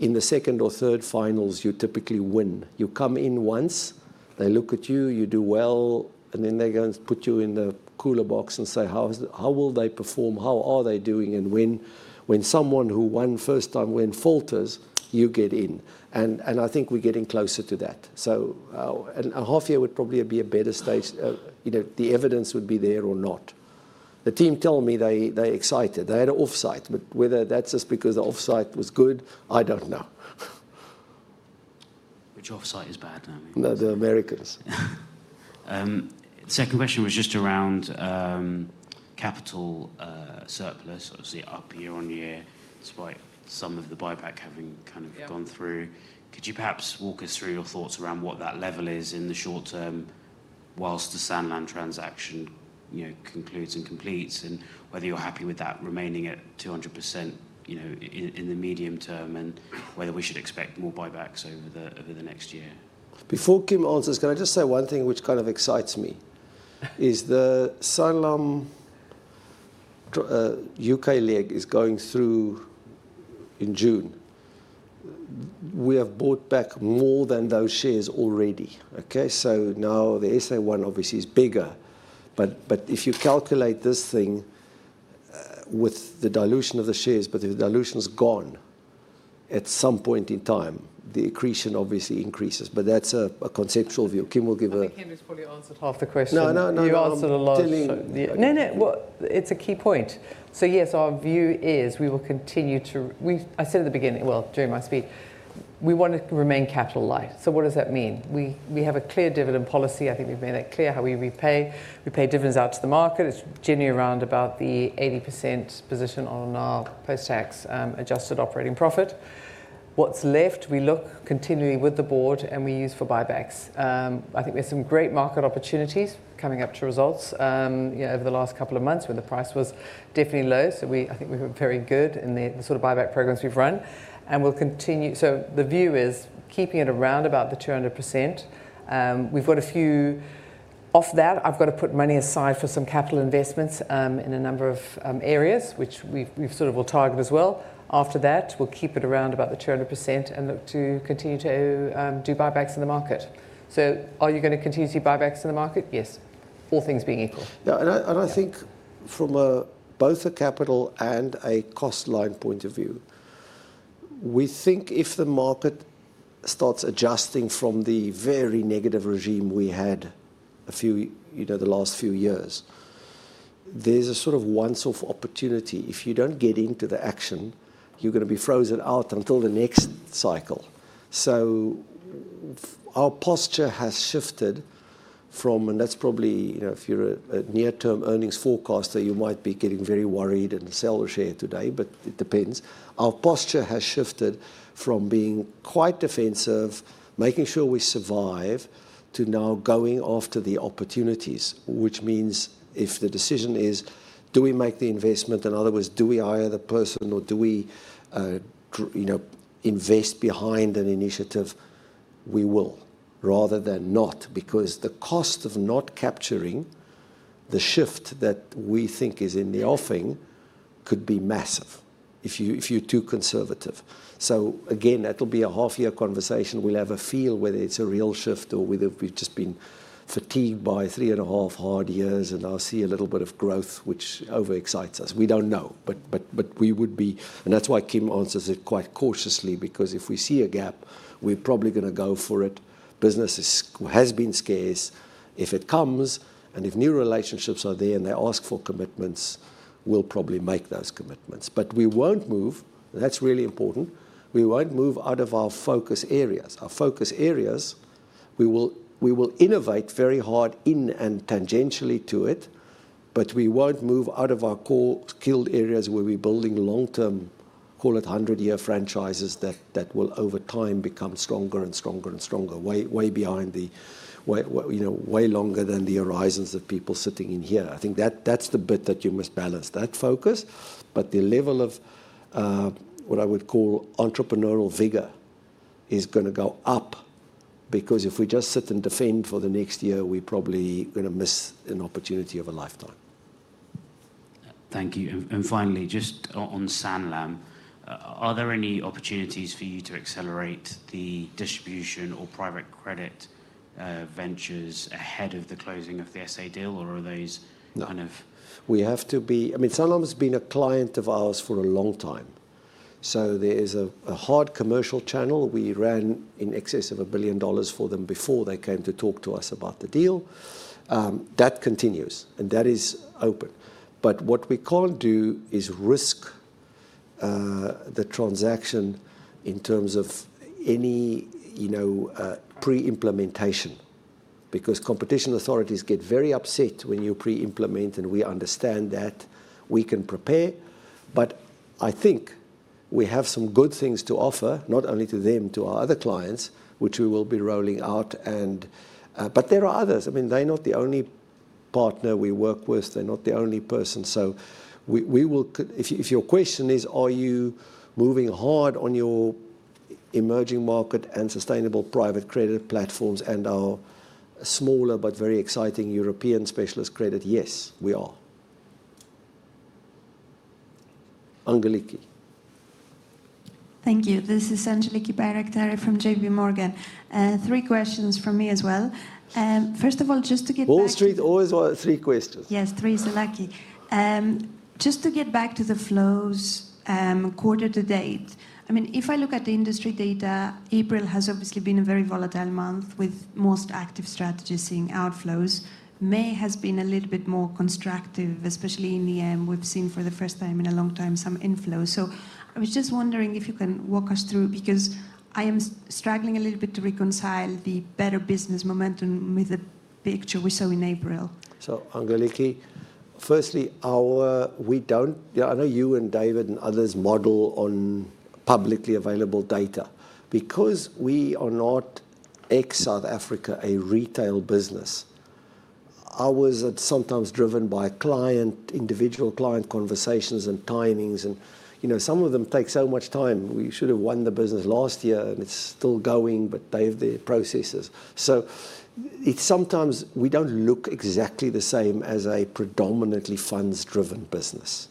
in the second or third finals, you typically win. You come in once, they look at you, you do well, and then they go and put you in the cooler box and say, "How will they perform? How are they doing?" When someone who won first time win falters, you get in. I think we're getting closer to that. A half year would probably be a better stage. The evidence would be there or not. The team told me they're excited. They had an offsite, but whether that's just because the offsite was good, I don't know. Which offsite is bad, Henry? The Americas. Second question was just around capital surplus, obviously up year-on-year, despite some of the buyback having kind of gone through. Could you perhaps walk us through your thoughts around what that level is in the short term whilst the Sanlam transaction concludes and completes, and whether you're happy with that remaining at 200% in the medium term and whether we should expect more buybacks over the next year? Before Kim answers, can I just say one thing which kind of excites me? Is the Sanlam U.K. leg is going through in June. We have bought back more than those shares already. Okay? Now the SA one obviously is bigger. If you calculate this thing with the dilution of the shares, if the dilution's gone at some point in time, the accretion obviously increases. That's a conceptual view. Kim will give a. I think Hendrik's probably answered half the question. No, no, no. You answered a lot. No, no, it's a key point. Yes, our view is we will continue to, I said at the beginning, during my speech, we want to remain capital light. What does that mean? We have a clear dividend policy. I think we've made that clear how we repay. We pay dividends out to the market. It's generally around about the 80% position on our post-tax adjusted operating profit. What's left? We look continually with the board and we use for buybacks. I think there's some great market opportunities coming up to results over the last couple of months when the price was definitely low. I think we've been very good in the sort of buyback programs we've run. We'll continue. The view is keeping it around about the 200%. We've got a few off that. I've got to put money aside for some capital investments in a number of areas, which we sort of will target as well. After that, we'll keep it around about the 200% and look to continue to do buybacks in the market. Are you going to continue to do buybacks in the market? Yes. All things being equal. I think from both a capital and a cost line point of view, we think if the market starts adjusting from the very negative regime we had the last few years, there's a sort of once-off opportunity. If you do not get into the action, you're going to be frozen out until the next cycle. Our posture has shifted from, and that's probably if you're a near-term earnings forecaster, you might be getting very worried and sell the share today, but it depends. Our posture has shifted from being quite defensive, making sure we survive, to now going after the opportunities, which means if the decision is, do we make the investment? In other words, do we hire the person or do we invest behind an initiative? We will rather than not because the cost of not capturing the shift that we think is in the offing could be massive if you're too conservative. Again, that'll be a half-year conversation. We'll have a feel whether it's a real shift or whether we've just been fatigued by three and a half hard years and I'll see a little bit of growth, which overexcites us. We don't know, but we would be. That's why Kim answers it quite cautiously because if we see a gap, we're probably going to go for it. Business has been scarce. If it comes and if new relationships are there and they ask for commitments, we'll probably make those commitments. We won't move, and that's really important. We won't move out of our focus areas. Our focus areas, we will innovate very hard in and tangentially to it, but we won't move out of our core skilled areas where we're building long-term, call it 100-year franchises that will over time become stronger and stronger and stronger, way behind, way longer than the horizons of people sitting in here. I think that's the bit that you must balance, that focus. The level of what I would call entrepreneurial vigor is going to go up because if we just sit and defend for the next year, we're probably going to miss an opportunity of a lifetime. Thank you. Finally, just on Sanlam, are there any opportunities for you to accelerate the distribution or private credit ventures ahead of the closing of the SA deal, or are those kind of? No. We have to be, I mean, Sanlam has been a client of ours for a long time. There is a hard commercial channel. We ran in excess of $1 billion for them before they came to talk to us about the deal. That continues, and that is open. What we cannot do is risk the transaction in terms of any pre-implementation because competition authorities get very upset when you pre-implement, and we understand that. We can prepare, but I think we have some good things to offer, not only to them, to our other clients, which we will be rolling out. There are others. I mean, they're not the only partner we work with. They're not the only person. If your question is, are you moving hard on your emerging market and sustainable private credit platforms and our smaller but very exciting European specialist credit? Yes, we are. Angeliki. Thank you. This is Angeliki Bairaktari from JPMorgan. Three questions from me as well. First of all, just to get back. Wall Street, always three questions. Yes, three is lucky. Just to get back to the flows, quarter-to-date, I mean, if I look at the industry data, April has obviously been a very volatile month with most active strategies seeing outflows. May has been a little bit more constructive, especially in the end. We've seen for the first time in a long time some inflows. I was just wondering if you can walk us through because I am struggling a little bit to reconcile the better business momentum with the picture we saw in April. Angeliki, firstly, we do not, I know you and David and others model on publicly available data because we are not ex-South Africa, a retail business. Ours are sometimes driven by client, individual client conversations and timings, and some of them take so much time. We should have won the business last year, and it is still going, but they have their processes. Sometimes we do not look exactly the same as a predominantly funds-driven business.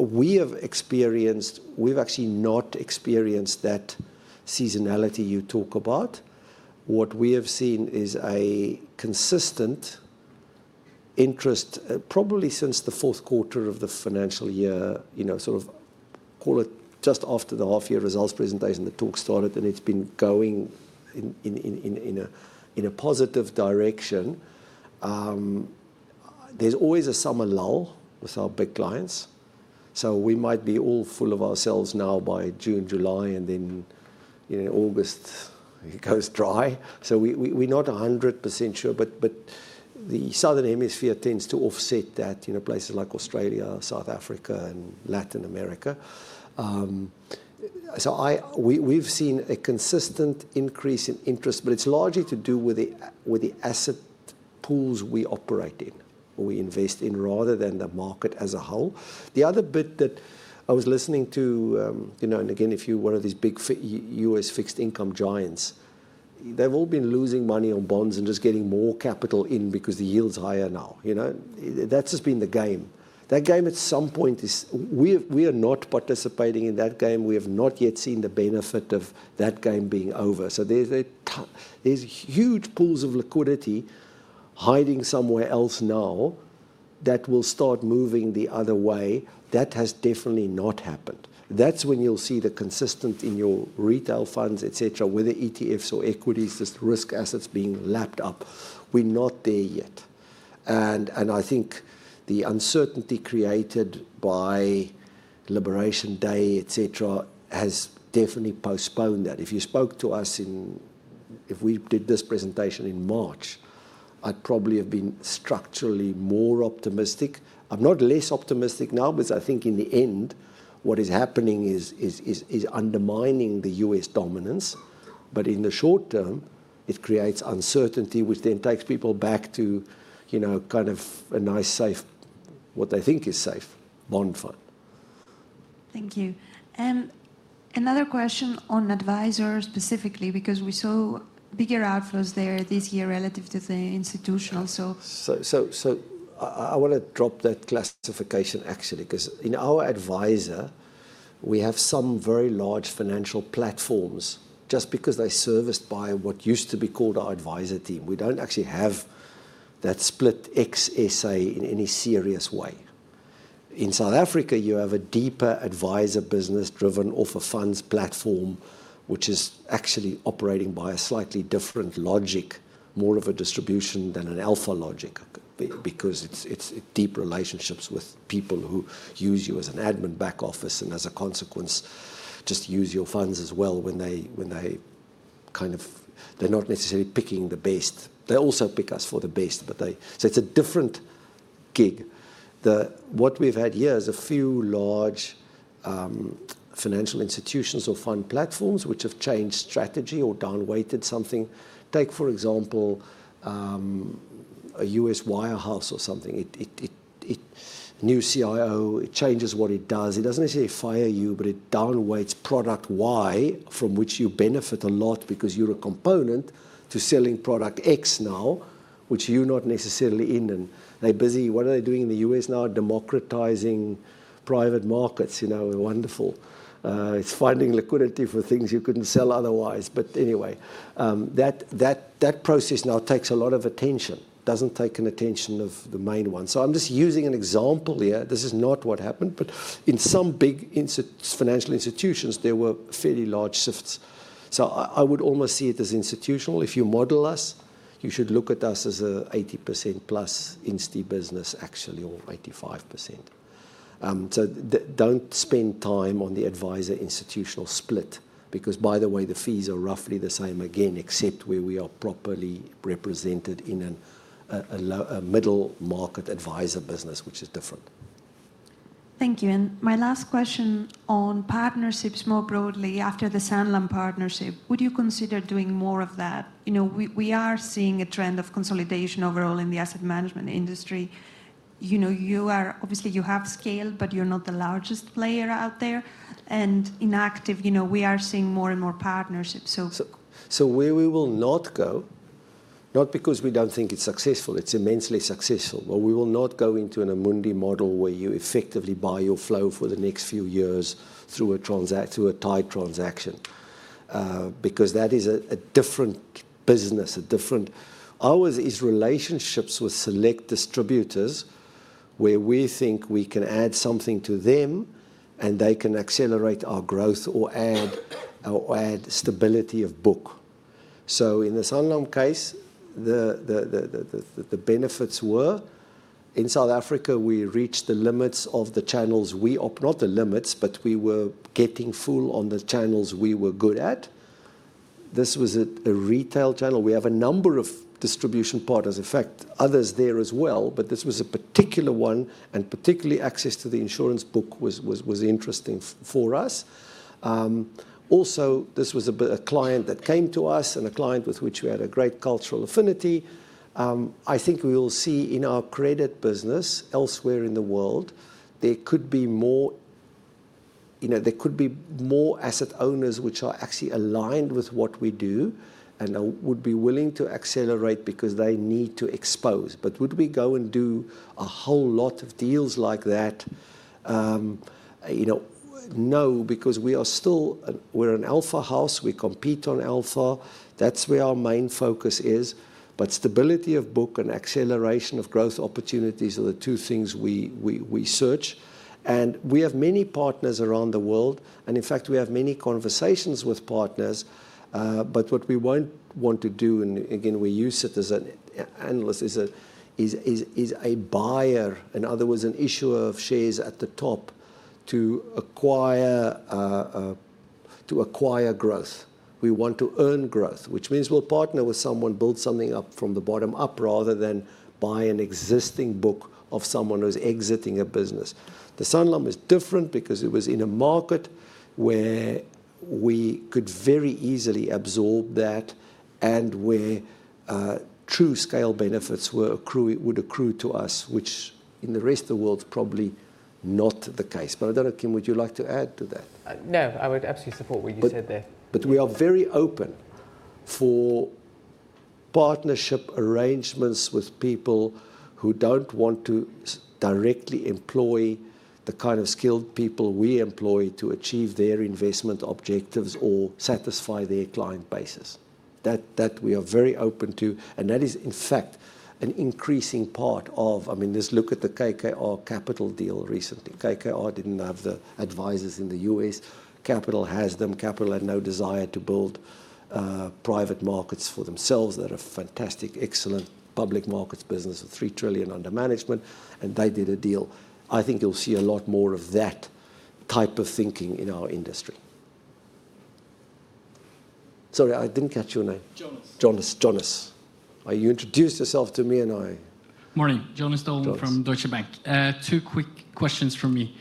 We have experienced, we have actually not experienced that seasonality you talk about. What we have seen is a consistent interest, probably since the fourth quarter of the financial year, sort of call it just after the half-year results presentation, the talk started, and it has been going in a positive direction. There is always a summer lull with our big clients. We might be all full of ourselves now by June, July, and then August, it goes dry. We are not 100% sure, but the southern hemisphere tends to offset that in places like Australia, South Africa, and Latin America. We have seen a consistent increase in interest, but it is largely to do with the asset pools we operate in, we invest in rather than the market as a whole. The other bit that I was listening to, and again, if you're one of these big U.S. fixed income giants, they've all been losing money on bonds and just getting more capital in because the yield's higher now. That's just been the game. That game at some point is we are not participating in that game. We have not yet seen the benefit of that game being over. There are huge pools of liquidity hiding somewhere else now that will start moving the other way. That has definitely not happened. That's when you'll see the consistent in your retail funds, etc., whether ETFs or equities, just risk assets being lapped up. We're not there yet. I think the uncertainty created by Liberation Day, etc., has definitely postponed that. If you spoke to us in, if we did this presentation in March, I'd probably have been structurally more optimistic. I'm not less optimistic now, but I think in the end, what is happening is undermining the U.S. dominance. In the short term, it creates uncertainty, which then takes people back to kind of a nice safe, what they think is safe, bond fund. Thank you. Another question on advisors specifically because we saw bigger outflows there this year relative to the institutional. I want to drop that classification actually because in our advisor, we have some very large financial platforms just because they're serviced by what used to be called our advisor team. We don't actually have that split ex-SA in any serious way. In South Africa, you have a deeper advisor business-driven offer funds platform, which is actually operating by a slightly different logic, more of a distribution than an alpha logic because it's deep relationships with people who use you as an admin back office and as a consequence, just use your funds as well when they kind of, they're not necessarily picking the best. They also pick us for the best, but so it's a different gig. What we've had here is a few large financial institutions or fund platforms which have changed strategy or downweighted something. Take, for example, a U.S. wirehouse or something. New CIO, it changes what it does. It doesn't necessarily fire you, but it downweights product Y, from which you benefit a lot because you're a component to selling product X now, which you're not necessarily in. They're busy, what are they doing in the U.S. now? Democratizing private markets. Wonderful. It's finding liquidity for things you couldn't sell otherwise. Anyway, that process now takes a lot of attention, doesn't take attention of the main one. I'm just using an example here. This is not what happened, but in some big financial institutions, there were fairly large shifts. I would almost see it as institutional. If you model us, you should look at us as an 80%+ business actually, or 85%. Don't spend time on the advisor institutional split because, by the way, the fees are roughly the same again, except where we are properly represented in a middle market advisor business, which is different. Thank you. My last question on partnerships more broadly after the Sanlam partnership, would you consider doing more of that? We are seeing a trend of consolidation overall in the asset management industry. Obviously, you have scale, but you're not the largest player out there. In active, we are seeing more and more partnerships. Where we will not go, not because we do not think it is successful, it is immensely successful, but we will not go into an Amundi model where you effectively buy your flow for the next few years through a tight transaction because that is a different business. Ours is relationships with select distributors where we think we can add something to them and they can accelerate our growth or add stability of book. In the Sanlam case, the benefits were in South Africa, we reached the limits of the channels we opted, not the limits, but we were getting full on the channels we were good at. This was a retail channel. We have a number of distribution partners, in fact, others there as well, but this was a particular one and particularly access to the insurance book was interesting for us. Also, this was a client that came to us and a client with which we had a great cultural affinity. I think we will see in our credit business elsewhere in the world, there could be more, there could be more asset owners which are actually aligned with what we do and would be willing to accelerate because they need to expose. Would we go and do a whole lot of deals like that? No, because we are still, we're an alpha house. We compete on alpha. That is where our main focus is. Stability of book and acceleration of growth opportunities are the two things we search. We have many partners around the world. In fact, we have many conversations with partners. What we won't want to do, and again, we use it as an analyst, is a buyer, in other words, an issuer of shares at the top to acquire growth. We want to earn growth, which means we'll partner with someone, build something up from the bottom up rather than buy an existing book of someone who's exiting a business. The Sanlam is different because it was in a market where we could very easily absorb that and where true scale benefits would accrue to us, which in the rest of the world is probably not the case. I don't know, Kim, would you like to add to that? No, I would absolutely support what you said there. We are very open for partnership arrangements with people who do not want to directly employ the kind of skilled people we employ to achieve their investment objectives or satisfy their client base. That we are very open to. That is, in fact, an increasing part of, I mean, just look at the KKR Capital deal recently. KKR did not have the advisors in the U.S. Capital has them. Capital had no desire to build private markets for themselves. They had a fantastic, excellent public markets business of $3 trillion under management, and they did a deal. I think you will see a lot more of that type of thinking in our industry. Sorry, I did not catch your name. Jonas. Jonas. Jonas. You introduced yourself to me and I. Morning. Jonas Døhlen from Deutsche Bank. Two quick questions from me.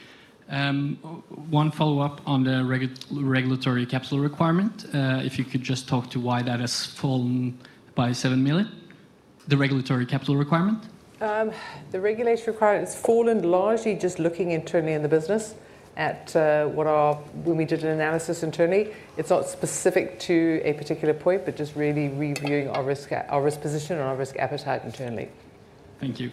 One follow-up on the regulatory capital requirement. If you could just talk to why that has fallen by $7 million. The regulatory capital requirement? The regulatory requirement has fallen largely just looking internally in the business at what our, when we did an analysis internally, it's not specific to a particular point, but just really reviewing our risk position and our risk appetite internally. Thank you.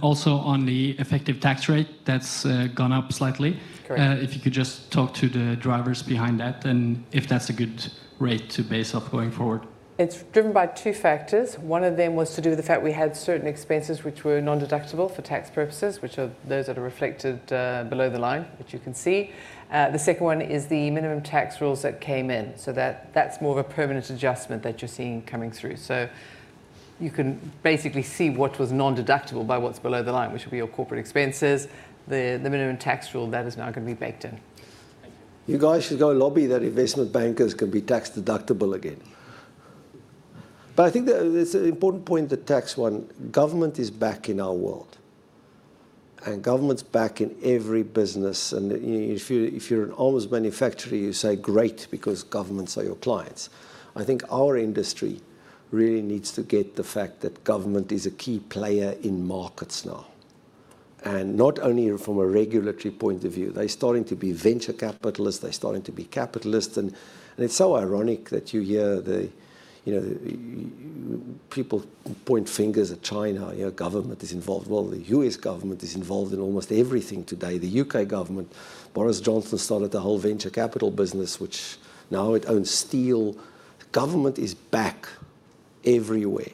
Also on the effective tax rate, that's gone up slightly. If you could just talk to the drivers behind that and if that's a good rate to base off going forward. It's driven by two factors. One of them was to do with the fact we had certain expenses which were non-deductible for tax purposes, which are those that are reflected below the line, which you can see. The second one is the minimum tax rules that came in. That is more of a permanent adjustment that you are seeing coming through. You can basically see what was non-deductible by what is below the line, which will be your corporate expenses. The minimum tax rule that is now going to be baked in. Thank you. You guys should go lobby that investment bankers can be tax deductible again. I think it is an important point, the tax one. Government is back in our world. Government is back in every business. If you are an arms manufacturer, you say, "Great," because governments are your clients. I think our industry really needs to get the fact that government is a key player in markets now. Not only from a regulatory point of view. They are starting to be venture capitalists. They are starting to be capitalists. It is so ironic that you hear people point fingers at China. Government is involved. The U.S. government is involved in almost everything today. The U.K. government, Boris Johnson started the whole venture capital business, which now it owns steel. Government is back everywhere.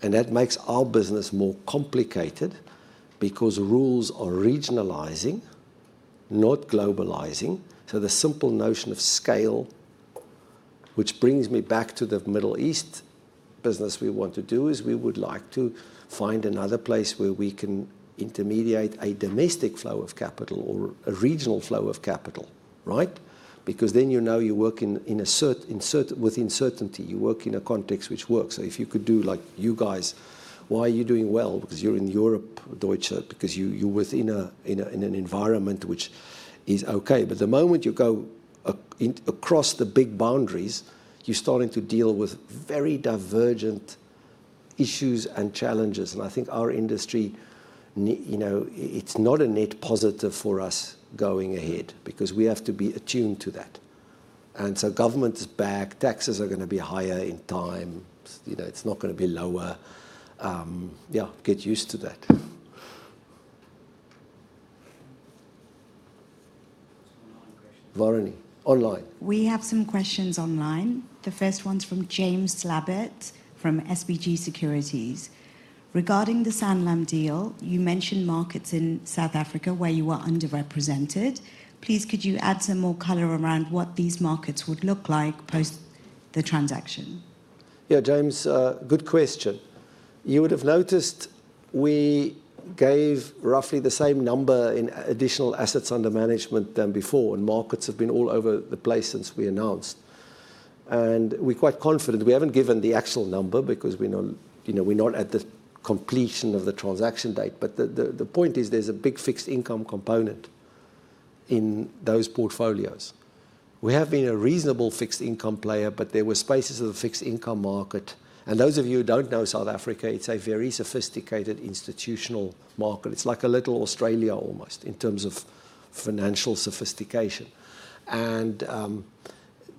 That makes our business more complicated because rules are regionalizing, not globalizing. The simple notion of scale, which brings me back to the Middle East business we want to do, is we would like to find another place where we can intermediate a domestic flow of capital or a regional flow of capital, right? Because then you know you work within certainty. You work in a context which works. If you could do like you guys, why are you doing well? Because you are in Europe, Deutsche, because you are within an environment which is okay. The moment you go across the big boundaries, you are starting to deal with very divergent issues and challenges. I think our industry, it's not a net positive for us going ahead because we have to be attuned to that. Government is back. Taxes are going to be higher in time. It's not going to be lower. Yeah, get used to that. Varuni, online. We have some questions online. The first one's from James Slabbert from SBG Securities. Regarding the Sanlam deal, you mentioned markets in South Africa where you were underrepresented. Please, could you add some more color around what these markets would look like post the transaction? Yeah, James, good question. You would have noticed we gave roughly the same number in additional assets under management than before. Markets have been all over the place since we announced. We're quite confident. We haven't given the actual number because we're not at the completion of the transaction date. The point is there's a big fixed income component in those portfolios. We have been a reasonable fixed income player, but there were spaces of the fixed income market. Those of you who do not know South Africa, it is a very sophisticated institutional market. It is like a little Australia almost in terms of financial sophistication.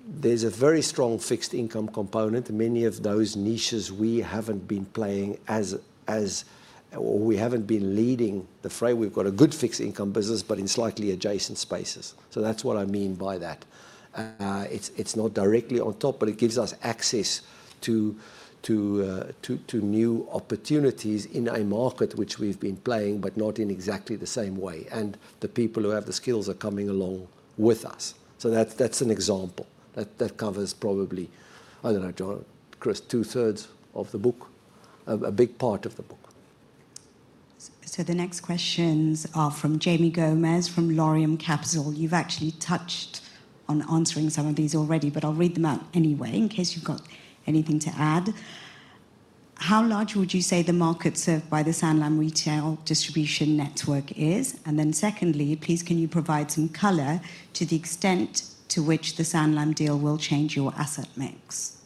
There is a very strong fixed income component. Many of those niches we have not been playing as, or we have not been leading the fray. We have got a good fixed income business, but in slightly adjacent spaces. That is what I mean by that. It is not directly on top, but it gives us access to new opportunities in a market which we have been playing, but not in exactly the same way. The people who have the skills are coming along with us. That is an example. That covers probably, I don't know, across 2/3 of the book, a big part of the book. The next questions are from Jaimé Gomes from Laurium Capital. You've actually touched on answering some of these already, but I'll read them out anyway in case you've got anything to add. How large would you say the market served by the Sanlam retail distribution network is? Secondly, please, can you provide some color to the extent to which the Sanlam deal will change your asset mix?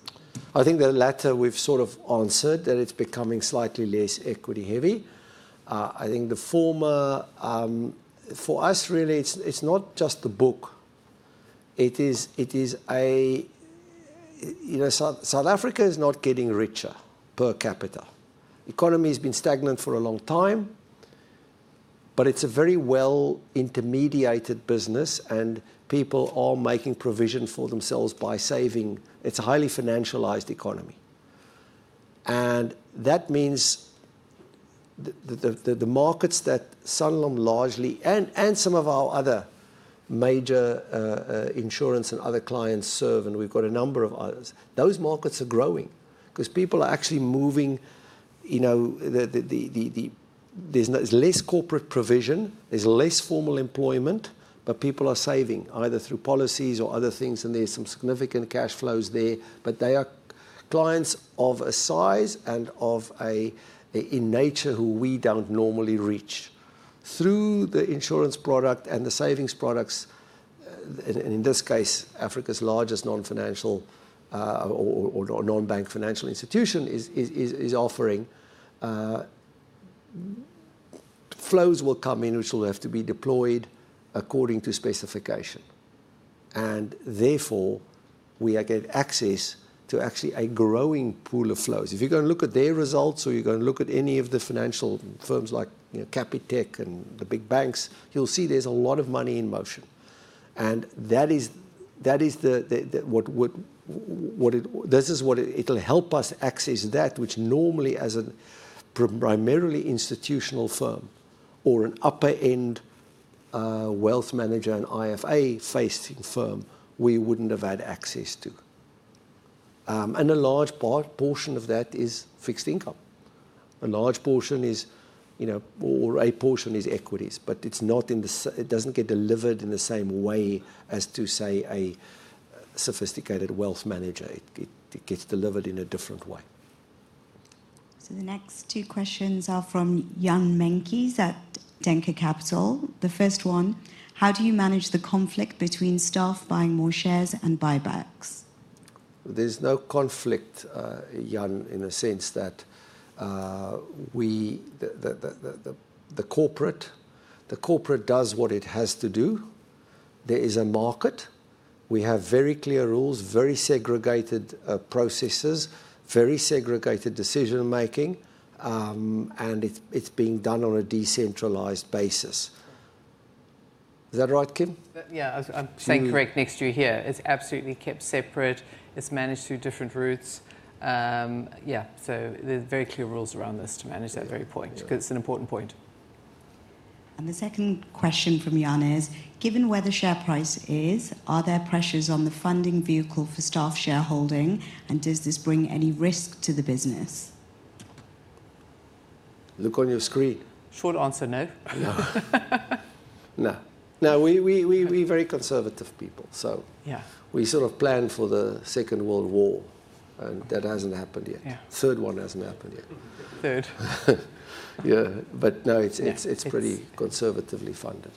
I think the latter, we've sort of answered that it's becoming slightly less equity-heavy. I think the former, for us, really, it's not just the book. South Africa is not getting richer per capita. The economy has been stagnant for a long time, but it's a very well-intermediated business, and people are making provision for themselves by saving. It's a highly financialized economy. That means the markets that Sanlam largely and some of our other major insurance and other clients serve, and we've got a number of others, those markets are growing because people are actually moving. There's less corporate provision. There's less formal employment, but people are saving either through policies or other things, and there's some significant cash flows there. They are clients of a size and of a nature who we don't normally reach. Through the insurance product and the savings products, in this case, Africa's largest non-bank financial institution is offering flows will come in, which will have to be deployed according to specification. Therefore, we get access to actually a growing pool of flows. If you're going to look at their results or you're going to look at any of the financial firms like Capitec and the big banks, you'll see there's a lot of money in motion. That is what this is what it'll help us access, which normally as a primarily institutional firm or an upper-end wealth manager and IFA-facing firm, we wouldn't have had access to. A large portion of that is fixed income. A large portion is, or a portion is equities, but it's not in the, it doesn't get delivered in the same way as to say a sophisticated wealth manager. It gets delivered in a different way. The next two questions are from Jan Meintjes at Denker Capital. The first one, how do you manage the conflict between staff buying more shares and buybacks? There's no conflict, Jan, in a sense that the corporate does what it has to do. There is a market. We have very clear rules, very segregated processes, very segregated decision-making, and it's being done on a decentralized basis. Is that right, Kim? Yeah, I'm staying correct next to you here. It's absolutely kept separate. It's managed through different routes. Yeah, there are very clear rules around this to manage that very point because it's an important point. The second question from Jan is, given where the share price is, are there pressures on the funding vehicle for staff shareholding, and does this bring any risk to the business? Look on your screen. Short answer, no. No. No. No, we're very conservative people, so we sort of plan for the Second World War, and that hasn't happened yet. Third one hasn't happened yet. Third. Yeah, but no, it's pretty conservatively funded.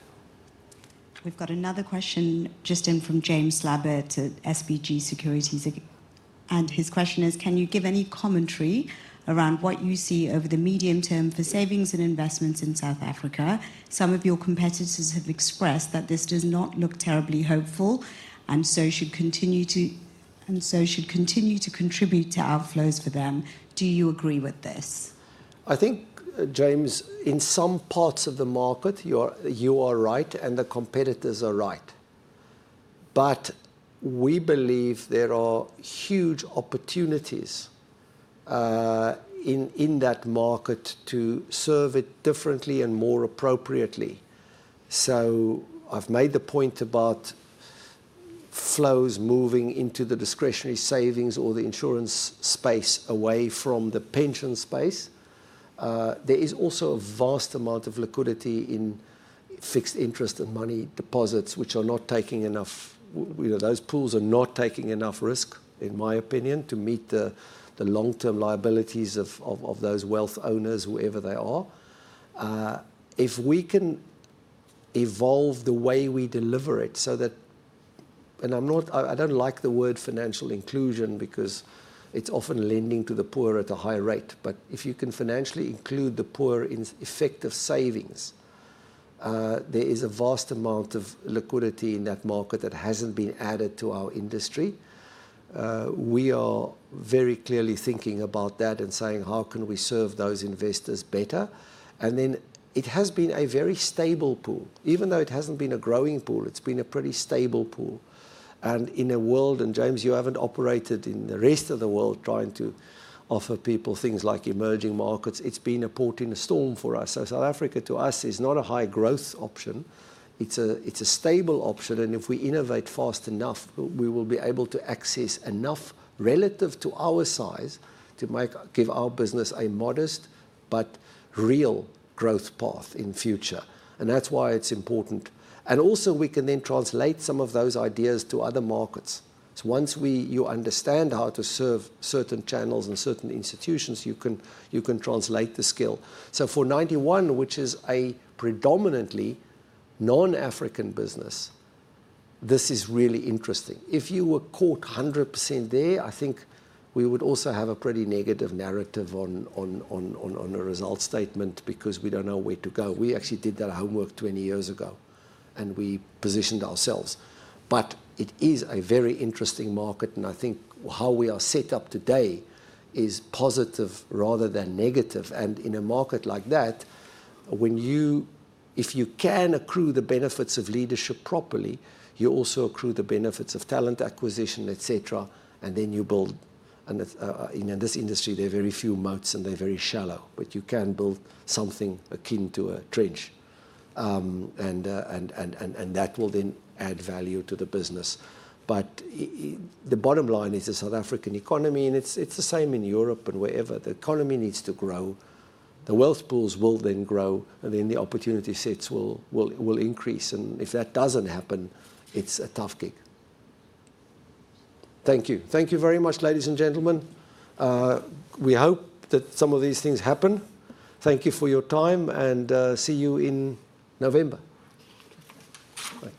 We've got another question just in from James Slabbert at SBG Securities, and his question is, can you give any commentary around what you see over the medium term for savings and investments in South Africa? Some of your competitors have expressed that this does not look terribly hopeful and so should continue to contribute to outflows for them. Do you agree with this? I think, James, in some parts of the market, you are right and the competitors are right. We believe there are huge opportunities in that market to serve it differently and more appropriately. I have made the point about flows moving into the discretionary savings or the insurance space away from the pension space. There is also a vast amount of liquidity in fixed interest and money deposits, which are not taking enough. Those pools are not taking enough risk, in my opinion, to meet the long-term liabilities of those wealth owners, whoever they are. If we can evolve the way we deliver it so that, and I do not like the word financial inclusion because it is often lending to the poor at a high rate, but if you can financially include the poor in effective savings, there is a vast amount of liquidity in that market that has not been added to our industry. We are very clearly thinking about that and saying, how can we serve those investors better? It has been a very stable pool. Even though it has not been a growing pool, it has been a pretty stable pool. In a world, and James, you have not operated in the rest of the world trying to offer people things like emerging markets, it has been a port in a storm for us. South Africa to us is not a high growth option. It is a stable option. If we innovate fast enough, we will be able to access enough relative to our size to give our business a modest but real growth path in future. That is why it is important. Also, we can then translate some of those ideas to other markets. Once you understand how to serve certain channels and certain institutions, you can translate the skill. For Ninety One, which is a predominantly non-African business, this is really interesting. If you were caught 100% there, I think we would also have a pretty negative narrative on a result statement because we do not know where to go. We actually did that homework 20 years ago, and we positioned ourselves. It is a very interesting market, and I think how we are set up today is positive rather than negative. In a market like that, if you can accrue the benefits of leadership properly, you also accrue the benefits of talent acquisition, etc. You build. In this industry, there are very few moats, and they are very shallow, but you can build something akin to a trench. That will then add value to the business. The bottom line is the South African economy, and it is the same in Europe and wherever. The economy needs to grow. The wealth pools will then grow, and then the opportunity sets will increase. If that does not happen, it is a tough gig. Thank you. Thank you very much, ladies and gentlemen. We hope that some of these things happen. Thank you for your time, and see you in November. Thank you.